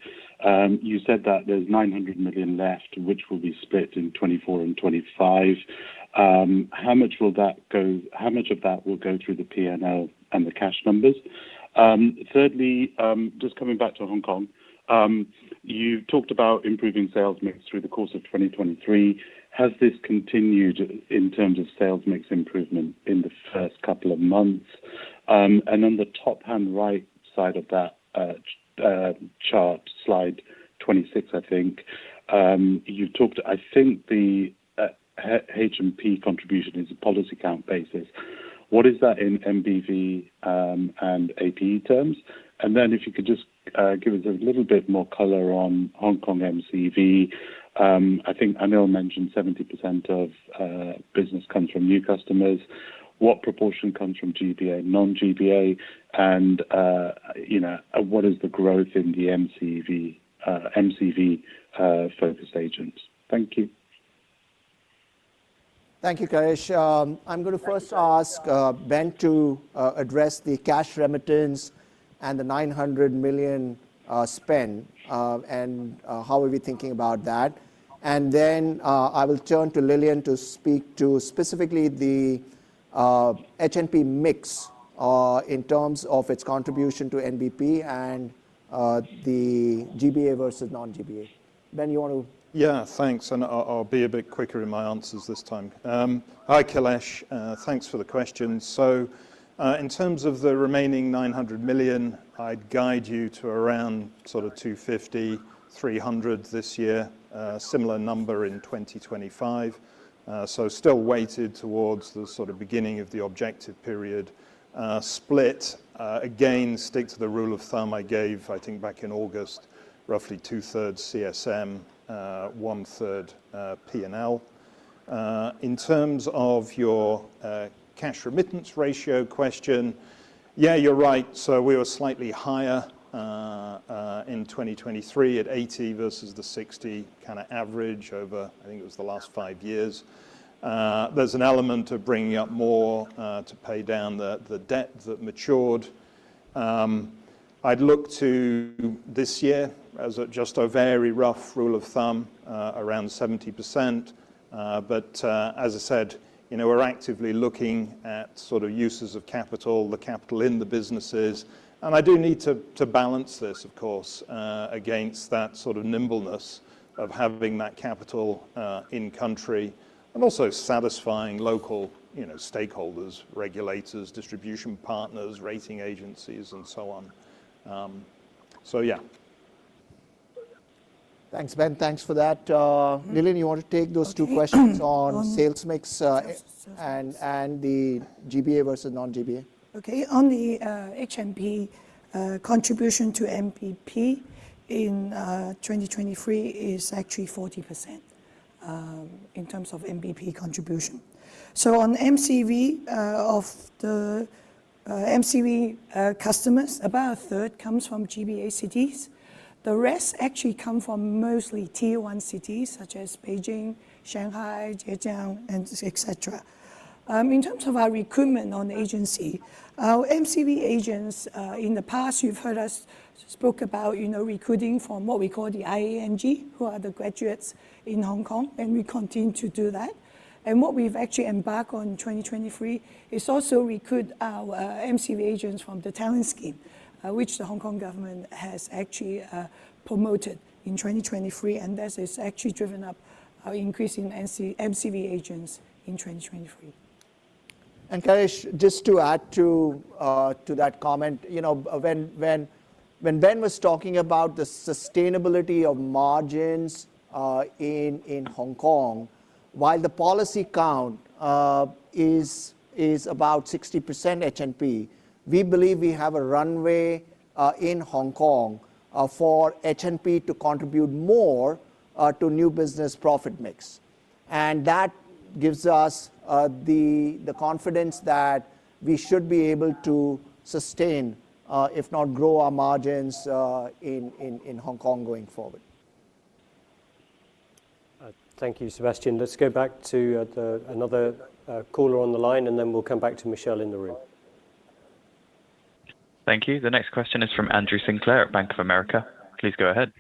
you said that there's $900 million left, which will be split in 2024 and 2025. How much of that will go through the P&L and the cash numbers? Thirdly, just coming back to Hong Kong, you talked about improving sales mix through the course of 2023. Has this continued in terms of sales mix improvement in the first couple of months? And on the top right-hand side of that chart, slide 26, I think, you talked, I think, the H&P contribution is a policy account basis. What is that in MBV and APE terms? And then if you could just give us a little bit more color on Hong Kong MCV. I think Anil mentioned 70% of business comes from new customers. What proportion comes from GBA, non-GBA? And what is the growth in the MCV-focused agents? Thank you. Thank you, Kailash. I'm going to first ask Ben to address the cash remittance and the $900 million spend and how are we thinking about that. And then I will turn to Lilian to speak to specifically the H&P mix in terms of its contribution to NBP and the GBA versus non-GBA. Ben, you want to? Yeah, thanks. And I'll be a bit quicker in my answers this time. Hi, Kailash. Thanks for the question. So in terms of the remaining $900 million, I'd guide you to around sort of $250-$300 this year, similar number in 2025. So still weighted towards the sort of beginning of the objective period split. Again, stick to the rule of thumb I gave, I think, back in August, roughly 2/3 CSM, 1/3 P&L. In terms of your cash remittance ratio question, yeah, you're right. So we were slightly higher in 2023 at 80% versus the 60% kind of average over, I think, it was the last five years. There's an element of bringing up more to pay down the debt that matured. I'd look to this year, as just a very rough rule of thumb, around 70%. But as I said, we're actively looking at sort of uses of capital, the capital in the businesses. And I do need to balance this, of course, against that sort of nimbleness of having that capital in country and also satisfying local stakeholders, regulators, distribution partners, rating agencies, and so on. So yeah. Thanks, Ben. Thanks for that. Lilian, you want to take those two questions on sales mix and the GBA versus non-GBA? OK. On the H&P, contribution to MBP in 2023 is actually 40% in terms of MBP contribution. So on MCV, of the MCV customers, about a third comes from GBA cities. The rest actually come from mostly Tier 1 cities such as Beijing, Shanghai, Zhejiang, et cetera. In terms of our recruitment on the agency, our MCV agents in the past, you've heard us spoke about recruiting from what we call the IANG, who are the graduates in Hong Kong. And we continue to do that. And what we've actually embarked on in 2023 is also recruit our MCV agents from the talent scheme, which the Hong Kong government has actually promoted in 2023. And that has actually driven up our increase in MCV agents in 2023. Kailash, just to add to that comment, when Ben was talking about the sustainability of margins in Hong Kong, while the policy count is about 60% H&P, we believe we have a runway in Hong Kong for H&P to contribute more to new business profit mix. That gives us the confidence that we should be able to sustain, if not grow, our margins in Hong Kong going forward. Thank you, Sebastian. Let's go back to another caller on the line. Then we'll come back to Michelle in the room. Thank you. The next question is from Andrew Sinclair at Bank of America. Please go ahead.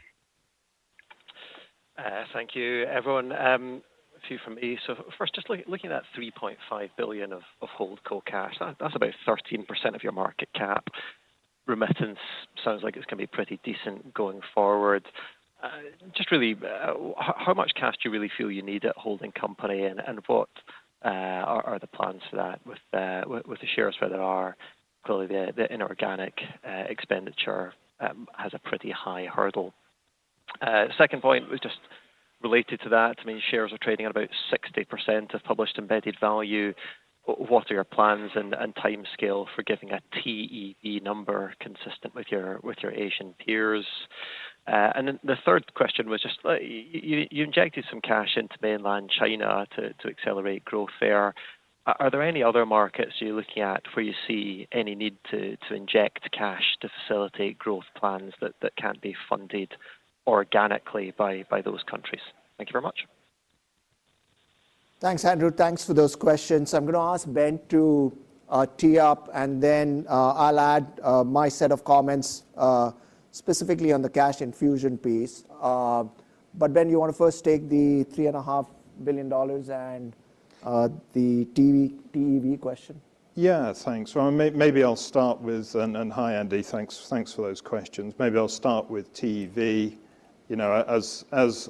Thank you, everyone. A few from East. First, just looking at that $3.5 billion of holdco cash, that's about 13% of your market cap. Remittance sounds like it's going to be pretty decent going forward. Just really, how much cash do you really feel you need at holding company? And what are the plans for that with the shares where there are? Clearly, the inorganic expenditure has a pretty high hurdle. Second point was just related to that. I mean, shares are trading at about 60% of published embedded value. What are your plans and time scale for giving a EEV number consistent with your Asian peers? And then the third question was just, you injected some cash into Mainland China to accelerate growth there. Are there any other markets you're looking at where you see any need to inject cash to facilitate growth plans that can't be funded organically by those countries? Thank you very much. Thanks, Andrew. Thanks for those questions. I'm going to ask Ben to tee up. And then I'll add my set of comments specifically on the cash infusion piece. But Ben, you want to first take the $3.5 billion and the TEV question? Yeah, thanks. Well, maybe I'll start with and hi, Andy. Thanks for those questions. Maybe I'll start with TEV. As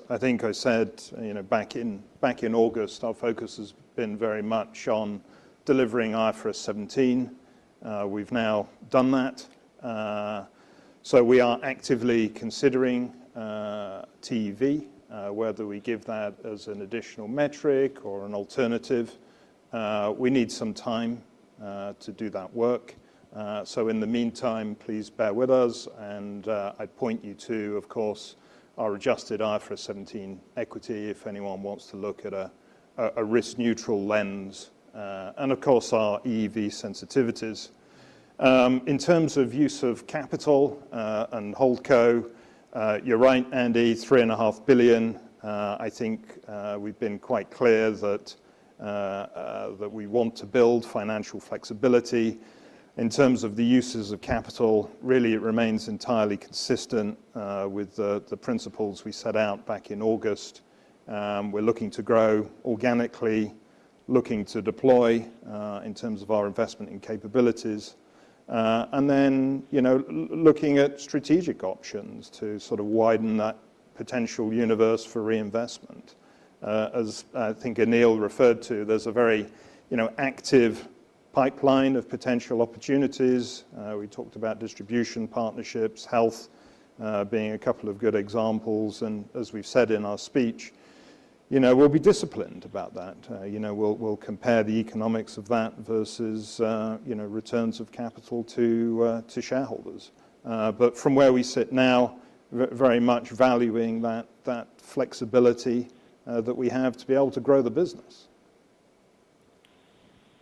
I think I said back in August, our focus has been very much on delivering IFRS 17. We've now done that. So we are actively considering TEV, whether we give that as an additional metric or an alternative. We need some time to do that work. So in the meantime, please bear with us. And I'd point you to, of course, our adjusted IFRS 17 equity, if anyone wants to look at a risk-neutral lens, and of course, our EV sensitivities. In terms of use of capital and hold co, you're right, Andy, $3.5 billion. I think we've been quite clear that we want to build financial flexibility. In terms of the uses of capital, really, it remains entirely consistent with the principles we set out back in August. We're looking to grow organically, looking to deploy in terms of our investment and capabilities, and then looking at strategic options to sort of widen that potential universe for reinvestment. As I think Anil referred to, there's a very active pipeline of potential opportunities. We talked about distribution partnerships, health being a couple of good examples. As we've said in our speech, we'll be disciplined about that. We'll compare the economics of that versus returns of capital to shareholders. From where we sit now, very much valuing that flexibility that we have to be able to grow the business.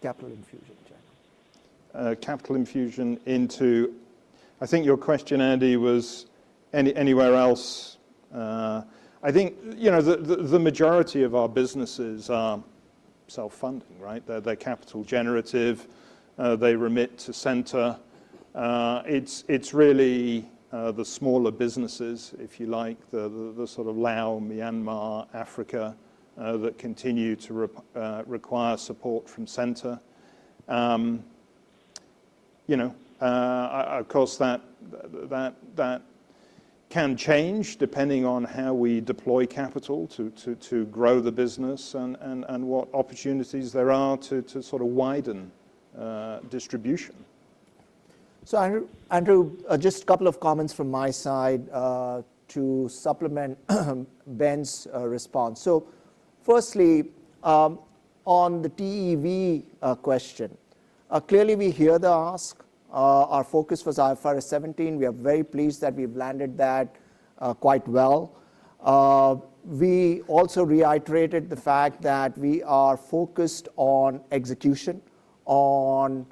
Capital infusion, in general? Capital infusion into. I think your question, Andy, was anywhere else. I think the majority of our businesses are self-funding, right? They're capital generative. They remit to center. It's really the smaller businesses, if you like, the sort of Laos, Myanmar, Africa that continue to require support from center. Of course, that can change depending on how we deploy capital to grow the business and what opportunities there are to sort of widen distribution. So Andrew, just a couple of comments from my side to supplement Ben's response. So firstly, on the TEV question, clearly, we hear the ask. Our focus was IFRS 17. We are very pleased that we've landed that quite well. We also reiterated the fact that we are focused on execution, on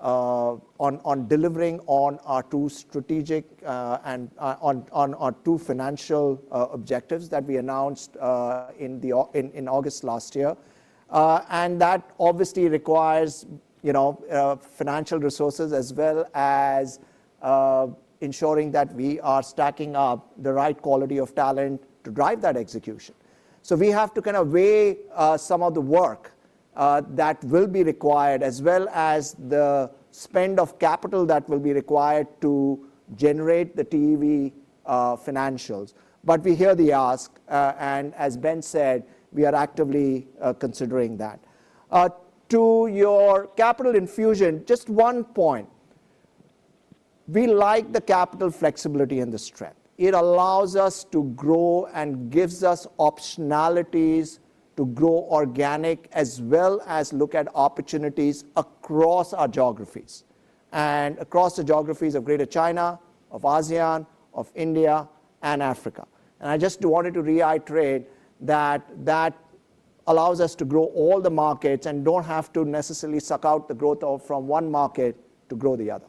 delivering on our two strategic and on our two financial objectives that we announced in August last year. And that obviously requires financial resources as well as ensuring that we are stacking up the right quality of talent to drive that execution. So we have to kind of weigh some of the work that will be required as well as the spend of capital that will be required to generate the TEV financials. But we hear the ask. And as Ben said, we are actively considering that. To your capital infusion, just one point. We like the capital flexibility and the strength. It allows us to grow and gives us optionalities to grow organic as well as look at opportunities across our geographies and across the geographies of Greater China, of ASEAN, of India, and Africa. I just wanted to reiterate that that allows us to grow all the markets and don't have to necessarily suck out the growth from one market to grow the other.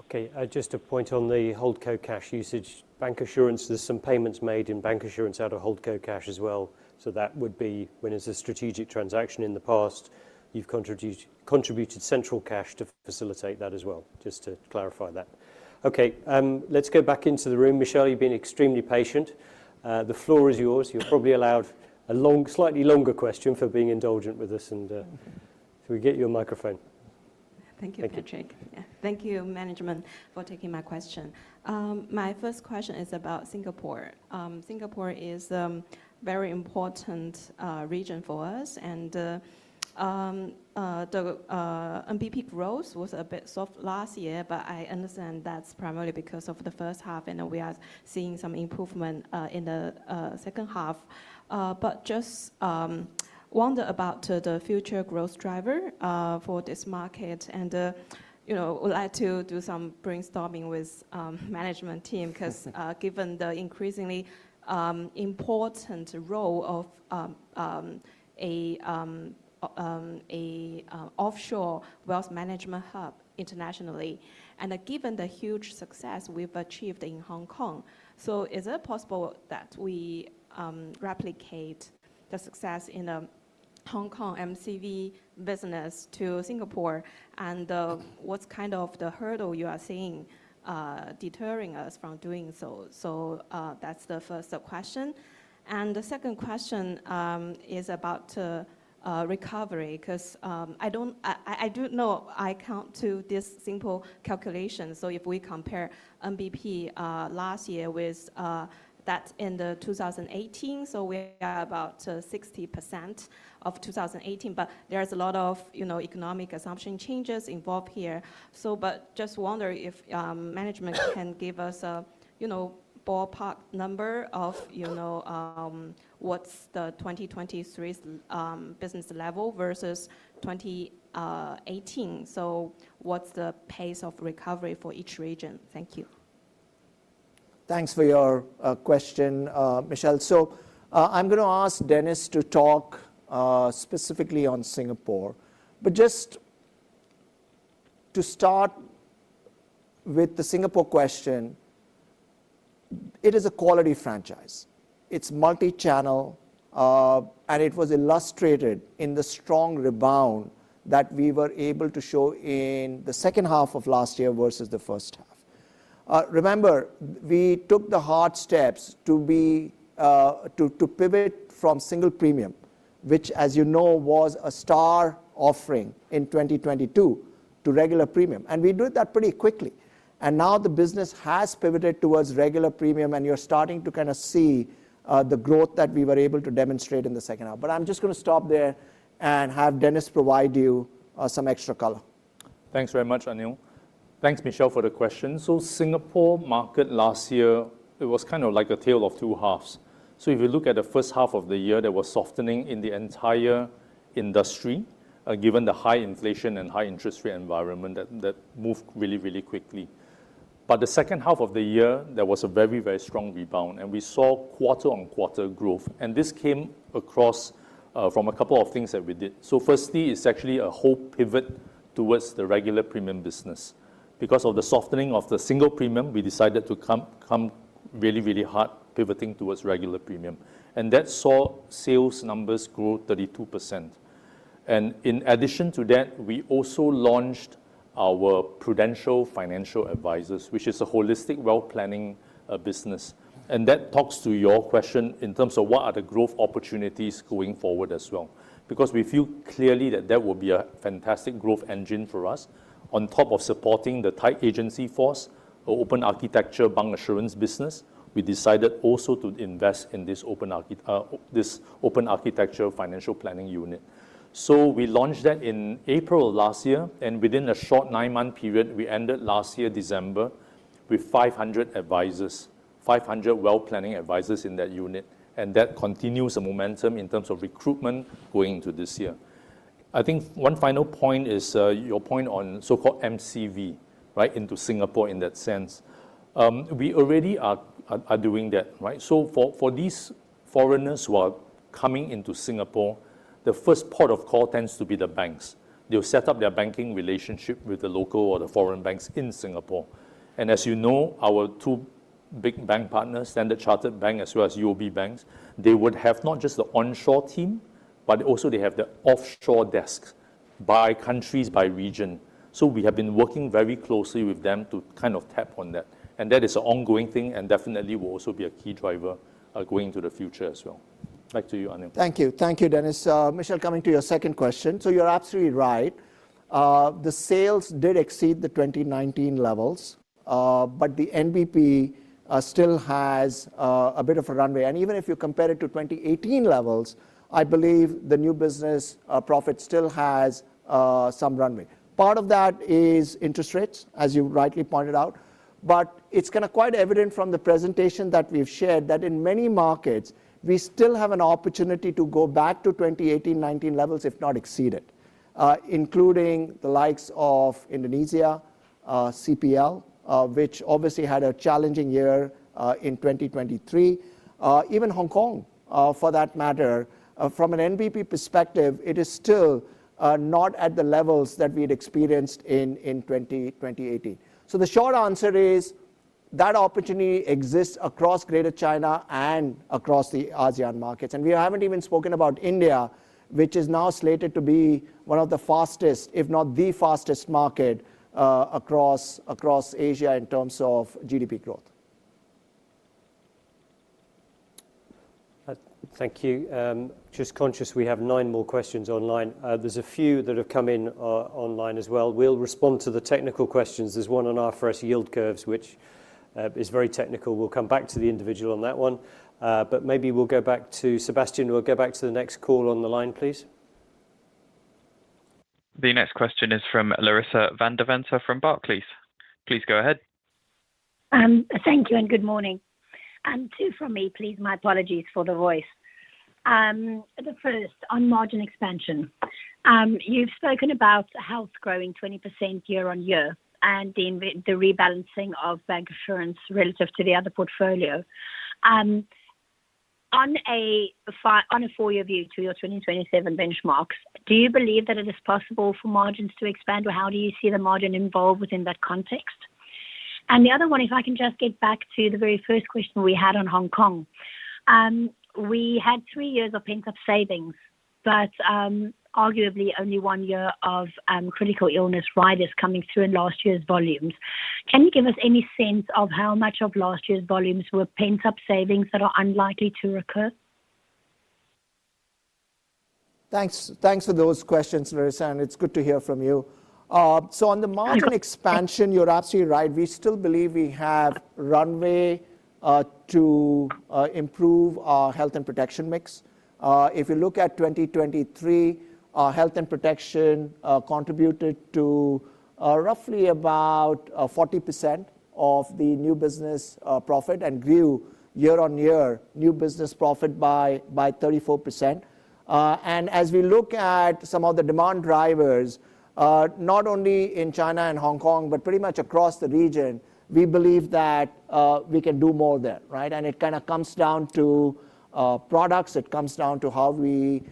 OK, just a point on the hold co cash usage. Bancassurance, there's some payments made in bancassurance out of hold co cash as well. So that would be when it's a strategic transaction in the past, you've contributed central cash to facilitate that as well, just to clarify that. OK, let's go back into the room. Michelle, you've been extremely patient. The floor is yours. You're probably allowed a slightly longer question for being indulgent with us. And if we get your microphone. Thank you, Patrick. Yeah, thank you, management, for taking my question. My first question is about Singapore. Singapore is a very important region for us. And the NBP growth was a bit soft last year. But I understand that's primarily because of the first half. And we are seeing some improvement in the second half. But just wonder about the future growth driver for this market. And I would like to do some brainstorming with the management team because given the increasingly important role of an offshore wealth management hub internationally and given the huge success we've achieved in Hong Kong, so is it possible that we replicate the success in the Hong Kong MCV business to Singapore? And what's kind of the hurdle you are seeing deterring us from doing so? So that's the first question. The second question is about recovery because I do know I can do this simple calculation. So if we compare NBP last year with that in 2018, so we are about 60% of 2018. But there's a lot of economic assumption changes involved here. But just wonder if management can give us a ballpark number of what's the 2023 business level versus 2018? So what's the pace of recovery for each region? Thank you. Thanks for your question, Michelle. So I'm going to ask Dennis to talk specifically on Singapore. But just to start with the Singapore question, it is a quality franchise. It's multi-channel. And it was illustrated in the strong rebound that we were able to show in the second half of last year versus the first half. Remember, we took the hard steps to pivot from single premium, which, as you know, was a star offering in 2022 to regular premium. And we did that pretty quickly. And now the business has pivoted towards regular premium. And you're starting to kind of see the growth that we were able to demonstrate in the second half. But I'm just going to stop there and have Dennis provide you some extra color. Thanks very much, Anil. Thanks, Michelle, for the question. So Singapore market last year, it was kind of like a tale of two halves. So if you look at the first half of the year, there was softening in the entire industry given the high inflation and high interest rate environment that moved really, really quickly. But the second half of the year, there was a very, very strong rebound. And we saw quarter-on-quarter growth. And this came across from a couple of things that we did. So firstly, it's actually a whole pivot towards the regular premium business. Because of the softening of the single premium, we decided to come really, really hard, pivoting towards regular premium. And that saw sales numbers grow 32%. And in addition to that, we also launched our Prudential Financial Advisors, which is a holistic wealth planning business. And that talks to your question in terms of what are the growth opportunities going forward as well because we feel clearly that that will be a fantastic growth engine for us. On top of supporting the tied agency force, open architecture bancassurance business, we decided also to invest in this open architecture financial planning unit. So we launched that in April of last year. And within a short 9-month period, we ended last year, December, with 500 advisors, 500 wealth planning advisors in that unit. And that continues the momentum in terms of recruitment going into this year. I think one final point is your point on so-called MCV into Singapore in that sense. We already are doing that, right? So for these foreigners who are coming into Singapore, the first port of call tends to be the banks. They'll set up their banking relationship with the local or the foreign banks in Singapore. And as you know, our two big bank partners, Standard Chartered Bank as well as UOB Bank, they would have not just the onshore team, but also they have the offshore desks by countries, by region. So we have been working very closely with them to kind of tap on that. And that is an ongoing thing and definitely will also be a key driver going into the future as well. Back to you, Anil. Thank you. Thank you, Dennis. Michelle, coming to your second question. So you're absolutely right. The sales did exceed the 2019 levels. But the NBP still has a bit of a runway. And even if you compare it to 2018 levels, I believe the new business profit still has some runway. Part of that is interest rates, as you rightly pointed out. But it's kind of quite evident from the presentation that we've shared that in many markets, we still have an opportunity to go back to 2018-19 levels, if not exceed it, including the likes of Indonesia, CPL, which obviously had a challenging year in 2023, even Hong Kong, for that matter. From an NBP perspective, it is still not at the levels that we had experienced in 2018. So the short answer is that opportunity exists across Greater China and across the ASEAN markets. We haven't even spoken about India, which is now slated to be one of the fastest, if not the fastest market across Asia in terms of GDP growth. Thank you. Just conscious we have nine more questions online. There's a few that have come in online as well. We'll respond to the technical questions. There's one on IFRS yield curves, which is very technical. We'll come back to the individual on that one. But maybe we'll go back to Sebastian. We'll go back to the next call on the line, please. The next question is from Larissa van Deventer from Barclays. Please go ahead. Thank you. And good morning. And two from me, please. My apologies for the voice. The first on margin expansion. You've spoken about health growing 20% year-over-year and the rebalancing of bancassurance relative to the other portfolio. On a four-year view to your 2027 benchmarks, do you believe that it is possible for margins to expand? Or how do you see the margin involved within that context? And the other one, if I can just get back to the very first question we had on Hong Kong. We had three years of pent-up savings, but arguably only one year of critical illness rises coming through in last year's volumes. Can you give us any sense of how much of last year's volumes were pent-up savings that are unlikely to recur? Thanks for those questions, Larissa. It's good to hear from you. On the margin expansion, you're absolutely right. We still believe we have runway to improve our health and protection mix. If you look at 2023, health and protection contributed to roughly about 40% of the new business profit and grew year-on-year, new business profit by 34%. As we look at some of the demand drivers, not only in China and Hong Kong but pretty much across the region, we believe that we can do more there, right? It kind of comes down to products. It comes down to how we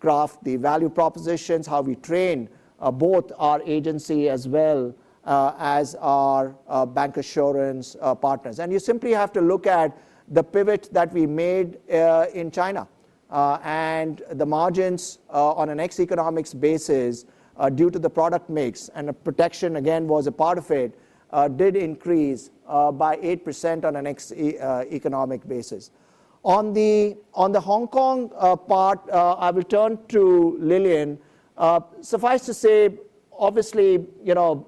craft the value propositions, how we train both our agency as well as our bancassurance partners. You simply have to look at the pivot that we made in China. And the margins on an ex-economics basis due to the product mix and protection, again, was a part of it, did increase by 8% on an ex-economic basis. On the Hong Kong part, I will turn to Lilian. Suffice to say, obviously,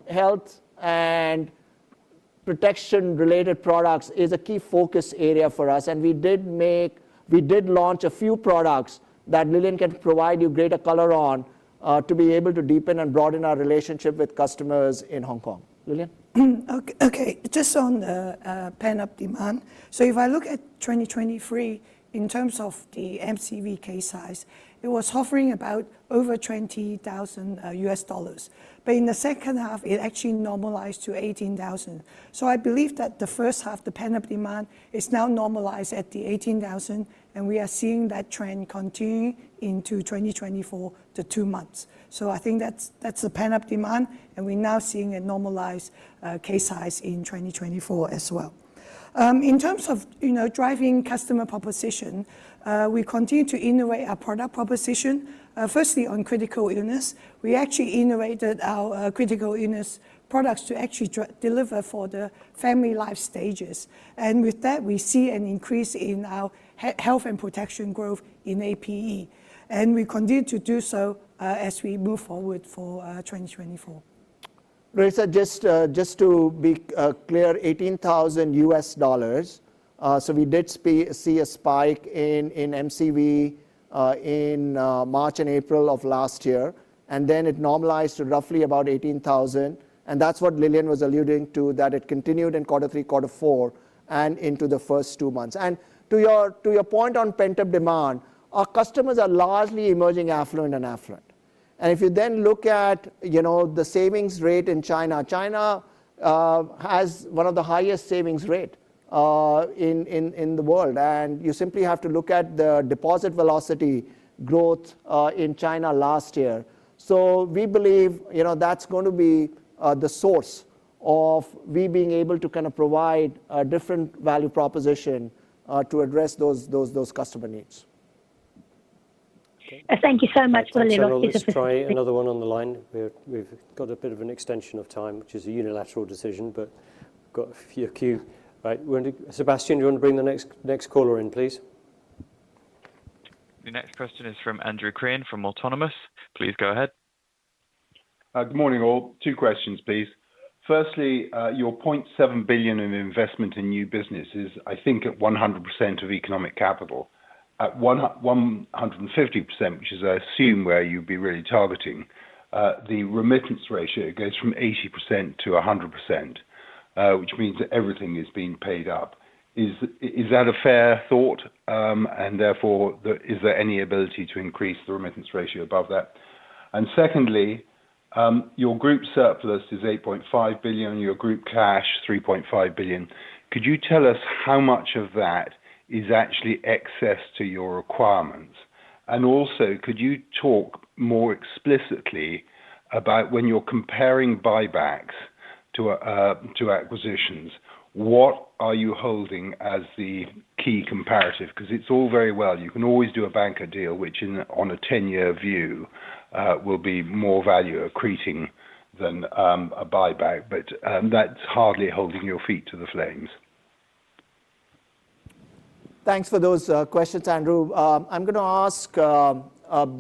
health and protection-related products is a key focus area for us. And we did launch a few products that Lilian can provide you greater color on to be able to deepen and broaden our relationship with customers in Hong Kong. Lilian? OK, just on pent-up demand. So if I look at 2023 in terms of the MCV case size, it was hovering about over $20,000. But in the second half, it actually normalized to $18,000. So I believe that the first half, the pent-up demand, is now normalized at the $18,000. And we are seeing that trend continue into 2024, the two months. So I think that's the pent-up demand. And we're now seeing a normalized case size in 2024 as well. In terms of driving customer proposition, we continue to innovate our product proposition, firstly on critical illness. We actually innovated our critical illness products to actually deliver for the family life stages. And with that, we see an increase in our health and protection growth in APE. And we continue to do so as we move forward for 2024. Larissa, just to be clear, $18,000. So we did see a spike in MCV in March and April of last year. And then it normalized to roughly about $18,000. And that's what Lilian was alluding to, that it continued in quarter three, quarter four, and into the first two months. And to your point on pent-up demand, our customers are largely emerging affluent and affluent. And if you then look at the savings rate in China, China has one of the highest savings rates in the world. And you simply have to look at the deposit velocity growth in China last year. So we believe that's going to be the source of we being able to kind of provide a different value proposition to address those customer needs. Thank you so much, Lilian. Charlie, another one on the line. We've got a bit of an extension of time, which is a unilateral decision. But we've got a few queued, right? Sebastian, do you want to bring the next caller in, please? The next question is from Andrew Crean from Autonomous. Please go ahead. Good morning, all. Two questions, please. Firstly, your $0.7 billion in investment in new business is, I think, at 100% of economic capital. At 150%, which is, I assume, where you'd be really targeting, the remittance ratio goes from 80%-100%, which means that everything is being paid up. Is that a fair thought? And therefore, is there any ability to increase the remittance ratio above that? And secondly, your group surplus is $8.5 billion. Your group cash, $3.5 billion. Could you tell us how much of that is actually excess to your requirements? And also, could you talk more explicitly about when you're comparing buybacks to acquisitions, what are you holding as the key comparative? Because it's all very well. You can always do a banca deal, which on a 10-year view will be more value accreting than a buyback. But that's hardly holding your feet to the flames. Thanks for those questions, Andrew. I'm going to ask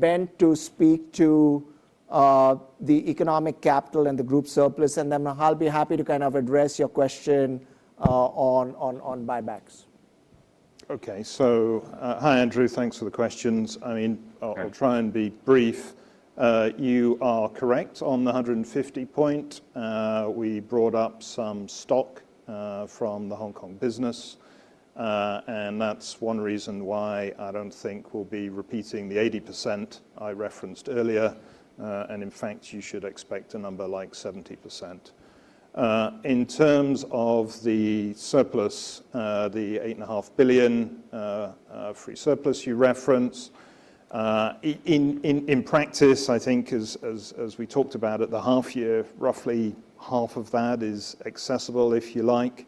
Ben to speak to the economic capital and the group surplus. And then I'll be happy to kind of address your question on buybacks. OK. So hi, Andrew. Thanks for the questions. I mean, I'll try and be brief. You are correct on the 150 point. We brought up some stock from the Hong Kong business. And that's one reason why I don't think we'll be repeating the 80% I referenced earlier. And in fact, you should expect a number like 70%. In terms of the surplus, the $8.5 billion free surplus you referenced, in practice, I think, as we talked about at the half year, roughly half of that is accessible, if you like,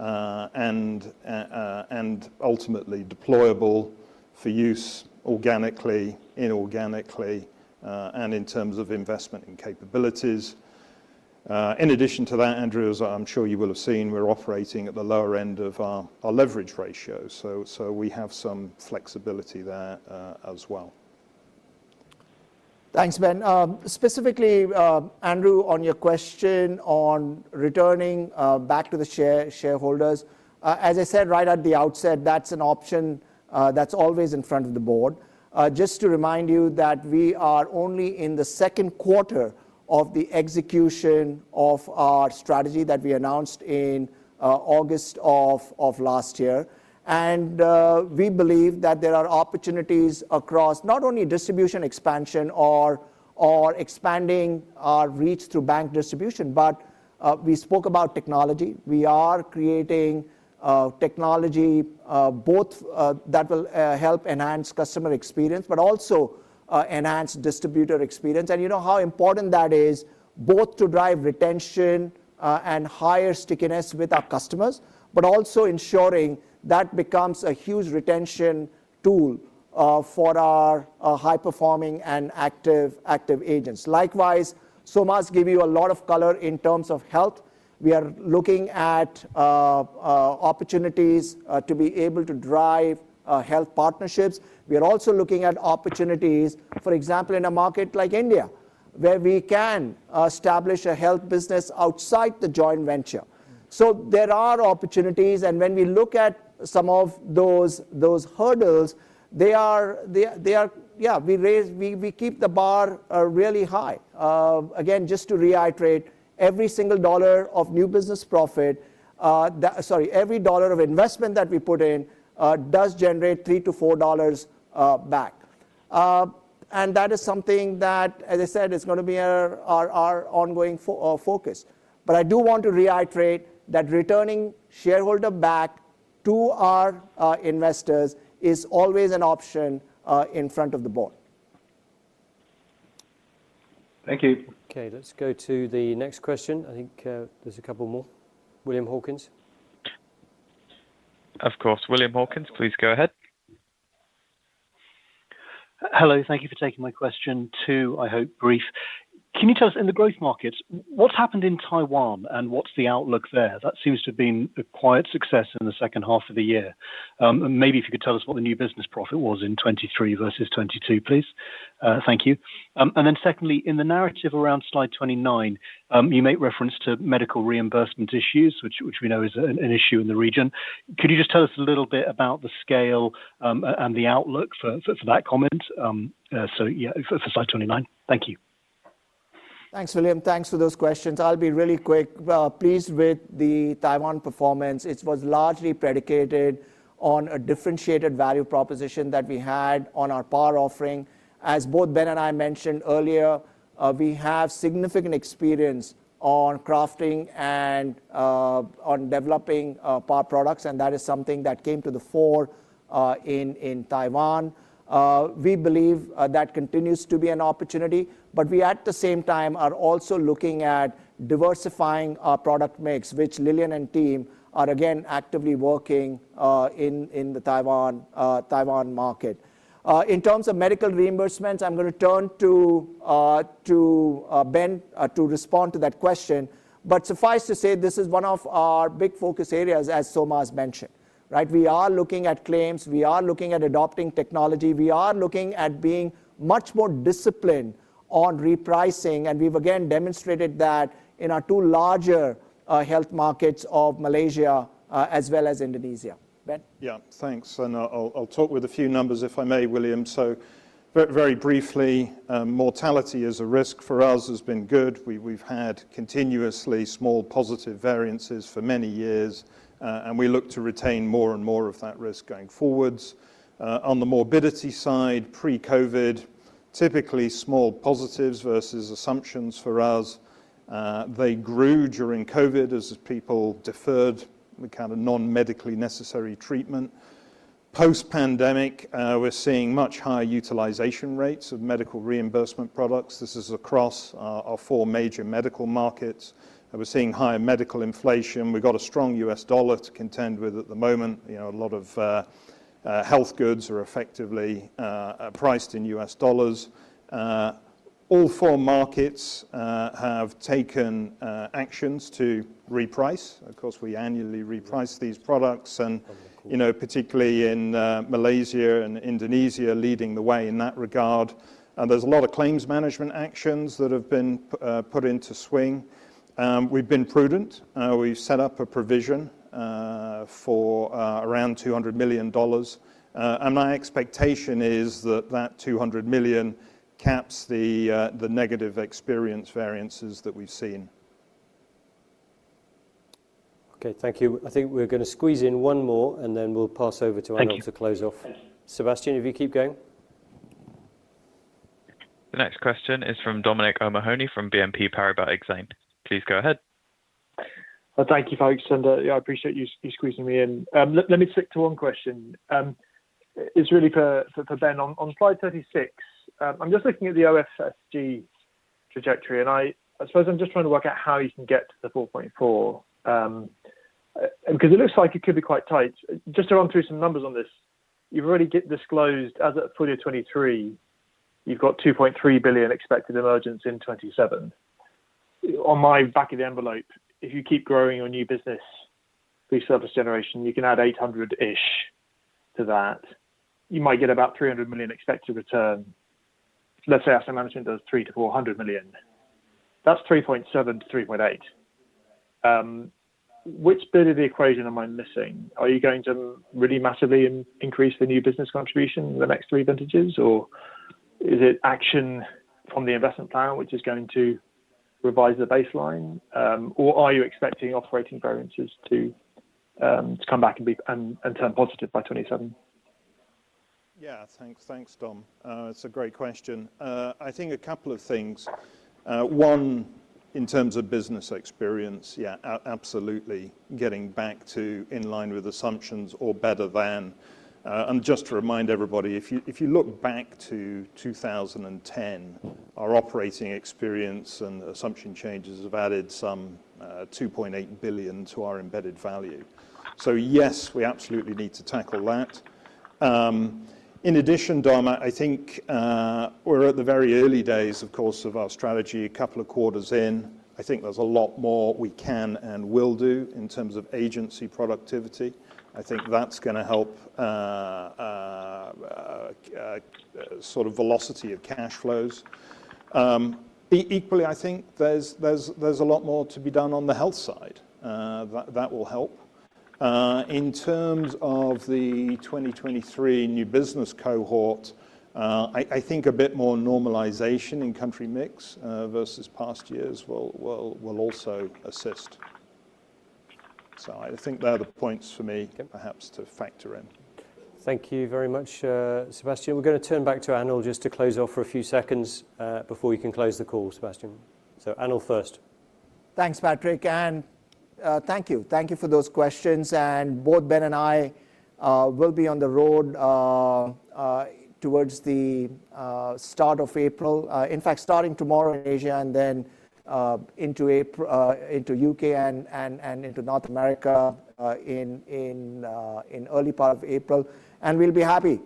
and ultimately deployable for use organically, inorganically, and in terms of investment in capabilities. In addition to that, Andrew, as I'm sure you will have seen, we're operating at the lower end of our leverage ratio. So we have some flexibility there as well. Thanks, Ben. Specifically, Andrew, on your question on returning back to the shareholders, as I said right at the outset, that's an option that's always in front of the board. Just to remind you that we are only in the second quarter of the execution of our strategy that we announced in August of last year. We believe that there are opportunities across not only distribution expansion or expanding our reach through bank distribution. But we spoke about technology. We are creating technology both that will help enhance customer experience but also enhance distributor experience. And you know how important that is, both to drive retention and higher stickiness with our customers but also ensuring that becomes a huge retention tool for our high-performing and active agents. Likewise, Solmaz has given you a lot of color in terms of health. We are looking at opportunities to be able to drive health partnerships. We are also looking at opportunities, for example, in a market like India, where we can establish a health business outside the joint venture. So there are opportunities. And when we look at some of those hurdles, yeah, we keep the bar really high. Again, just to reiterate, every single dollar of new business profit sorry, every dollar of investment that we put in does generate $3-$4 back. And that is something that, as I said, is going to be our ongoing focus. But I do want to reiterate that returning shareholder back to our investors is always an option in front of the board. Thank you. OK, let's go to the next question. I think there's a couple more. William Hawkins. Of course. William Hawkins, please go ahead. Hello. Thank you for taking my question too, I hope, brief. Can you tell us, in the growth markets, what's happened in Taiwan? And what's the outlook there? That seems to have been a quiet success in the second half of the year. Maybe if you could tell us what the new business profit was in 2023 versus 2022, please. Thank you. And then secondly, in the narrative around slide 29, you make reference to medical reimbursement issues, which we know is an issue in the region. Could you just tell us a little bit about the scale and the outlook for that comment? So yeah, for slide 29, thank you. Thanks, William. Thanks for those questions. I'll be really quick. Please, with the Taiwan performance, it was largely predicated on a differentiated value proposition that we had on our PAR offering. As both Ben and I mentioned earlier, we have significant experience on crafting and on developing PAR products. And that is something that came to the fore in Taiwan. We believe that continues to be an opportunity. But we, at the same time, are also looking at diversifying our product mix, which Lilian and team are, again, actively working in the Taiwan market. In terms of medical reimbursements, I'm going to turn to Ben to respond to that question. But suffice to say, this is one of our big focus areas, as Solmaz has mentioned, right? We are looking at claims. We are looking at adopting technology. We are looking at being much more disciplined on repricing. And we've again demonstrated that in our two larger health markets of Malaysia as well as Indonesia. Ben? Yeah, thanks. I'll talk with a few numbers, if I may, William. So very briefly, mortality as a risk for us has been good. We've had continuously small positive variances for many years. We look to retain more and more of that risk going forwards. On the morbidity side, pre-COVID, typically small positives versus assumptions for us, they grew during COVID as people deferred the kind of non-medically necessary treatment. Post-pandemic, we're seeing much higher utilization rates of medical reimbursement products. This is across our four major medical markets. We're seeing higher medical inflation. We've got a strong U.S. dollar to contend with at the moment. A lot of health goods are effectively priced in U.S. dollars. All four markets have taken actions to reprice. Of course, we annually reprice these products, particularly in Malaysia and Indonesia leading the way in that regard. There's a lot of claims management actions that have been put into swing. We've been prudent. We've set up a provision for around $200 million. My expectation is that that $200 million caps the negative experience variances that we've seen. OK, thank you. I think we're going to squeeze in one more. Then we'll pass over to Anil to close off. Thank you. Sebastian, if you keep going. The next question is from Dominic O'Mahony from BNP Paribas Exane. Please go ahead. Well, thank you, folks. And I appreciate you squeezing me in. Let me stick to one question. It's really for Ben. On slide 36, I'm just looking at the OFSG trajectory. And I suppose I'm just trying to work out how you can get to the 4.4. Because it looks like it could be quite tight. Just to run through some numbers on this, you've already disclosed as of the full year 2023, you've got $2.3 billion expected emergence in 2027. On my back of the envelope, if you keep growing your new business, free surplus generation, you can add 800-ish to that. You might get about $300 million expected return. Let's say asset management does $300 million-$400 million. That's $3.7-$3.8. Which bit of the equation am I missing? Are you going to really massively increase the new business contribution in the next three vintages? Or is it action from the investment plan, which is going to revise the baseline? Or are you expecting operating variances to come back and turn positive by 2027? Yeah, thanks, Dom. It's a great question. I think a couple of things. One, in terms of business experience, yeah, absolutely getting back to in line with assumptions or better than. And just to remind everybody, if you look back to 2010, our operating experience and assumption changes have added some $2.8 billion to our embedded value. So yes, we absolutely need to tackle that. In addition, Dom, I think we're at the very early days, of course, of our strategy, a couple of quarters in. I think there's a lot more we can and will do in terms of agency productivity. I think that's going to help sort of velocity of cash flows. Equally, I think there's a lot more to be done on the health side. That will help. In terms of the 2023 new business cohort, I think a bit more normalization in country mix versus past years will also assist. So I think they're the points for me, perhaps, to factor in. Thank you very much, Sebastian. We're going to turn back to Anil just to close off for a few seconds before you can close the call, Sebastian. So Anil first. Thanks, Patrick. Thank you. Thank you for those questions. Both Ben and I will be on the road towards the start of April, in fact, starting tomorrow in Asia and then into UK and into North America in early part of April. We'll be happy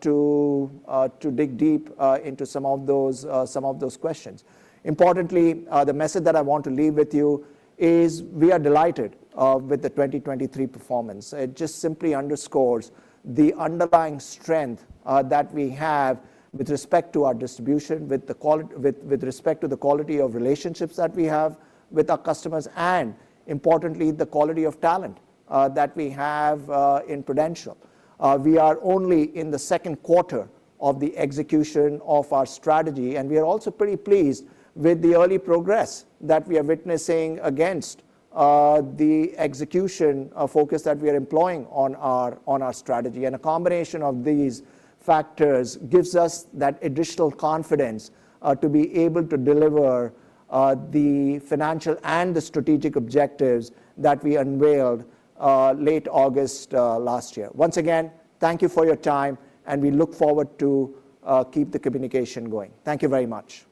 to dig deep into some of those questions. Importantly, the message that I want to leave with you is we are delighted with the 2023 performance. It just simply underscores the underlying strength that we have with respect to our distribution, with respect to the quality of relationships that we have with our customers, and importantly, the quality of talent that we have in Prudential. We are only in the second quarter of the execution of our strategy. We are also pretty pleased with the early progress that we are witnessing against the execution focus that we are employing on our strategy. A combination of these factors gives us that additional confidence to be able to deliver the financial and the strategic objectives that we unveiled late August last year. Once again, thank you for your time. We look forward to keeping the communication going. Thank you very much.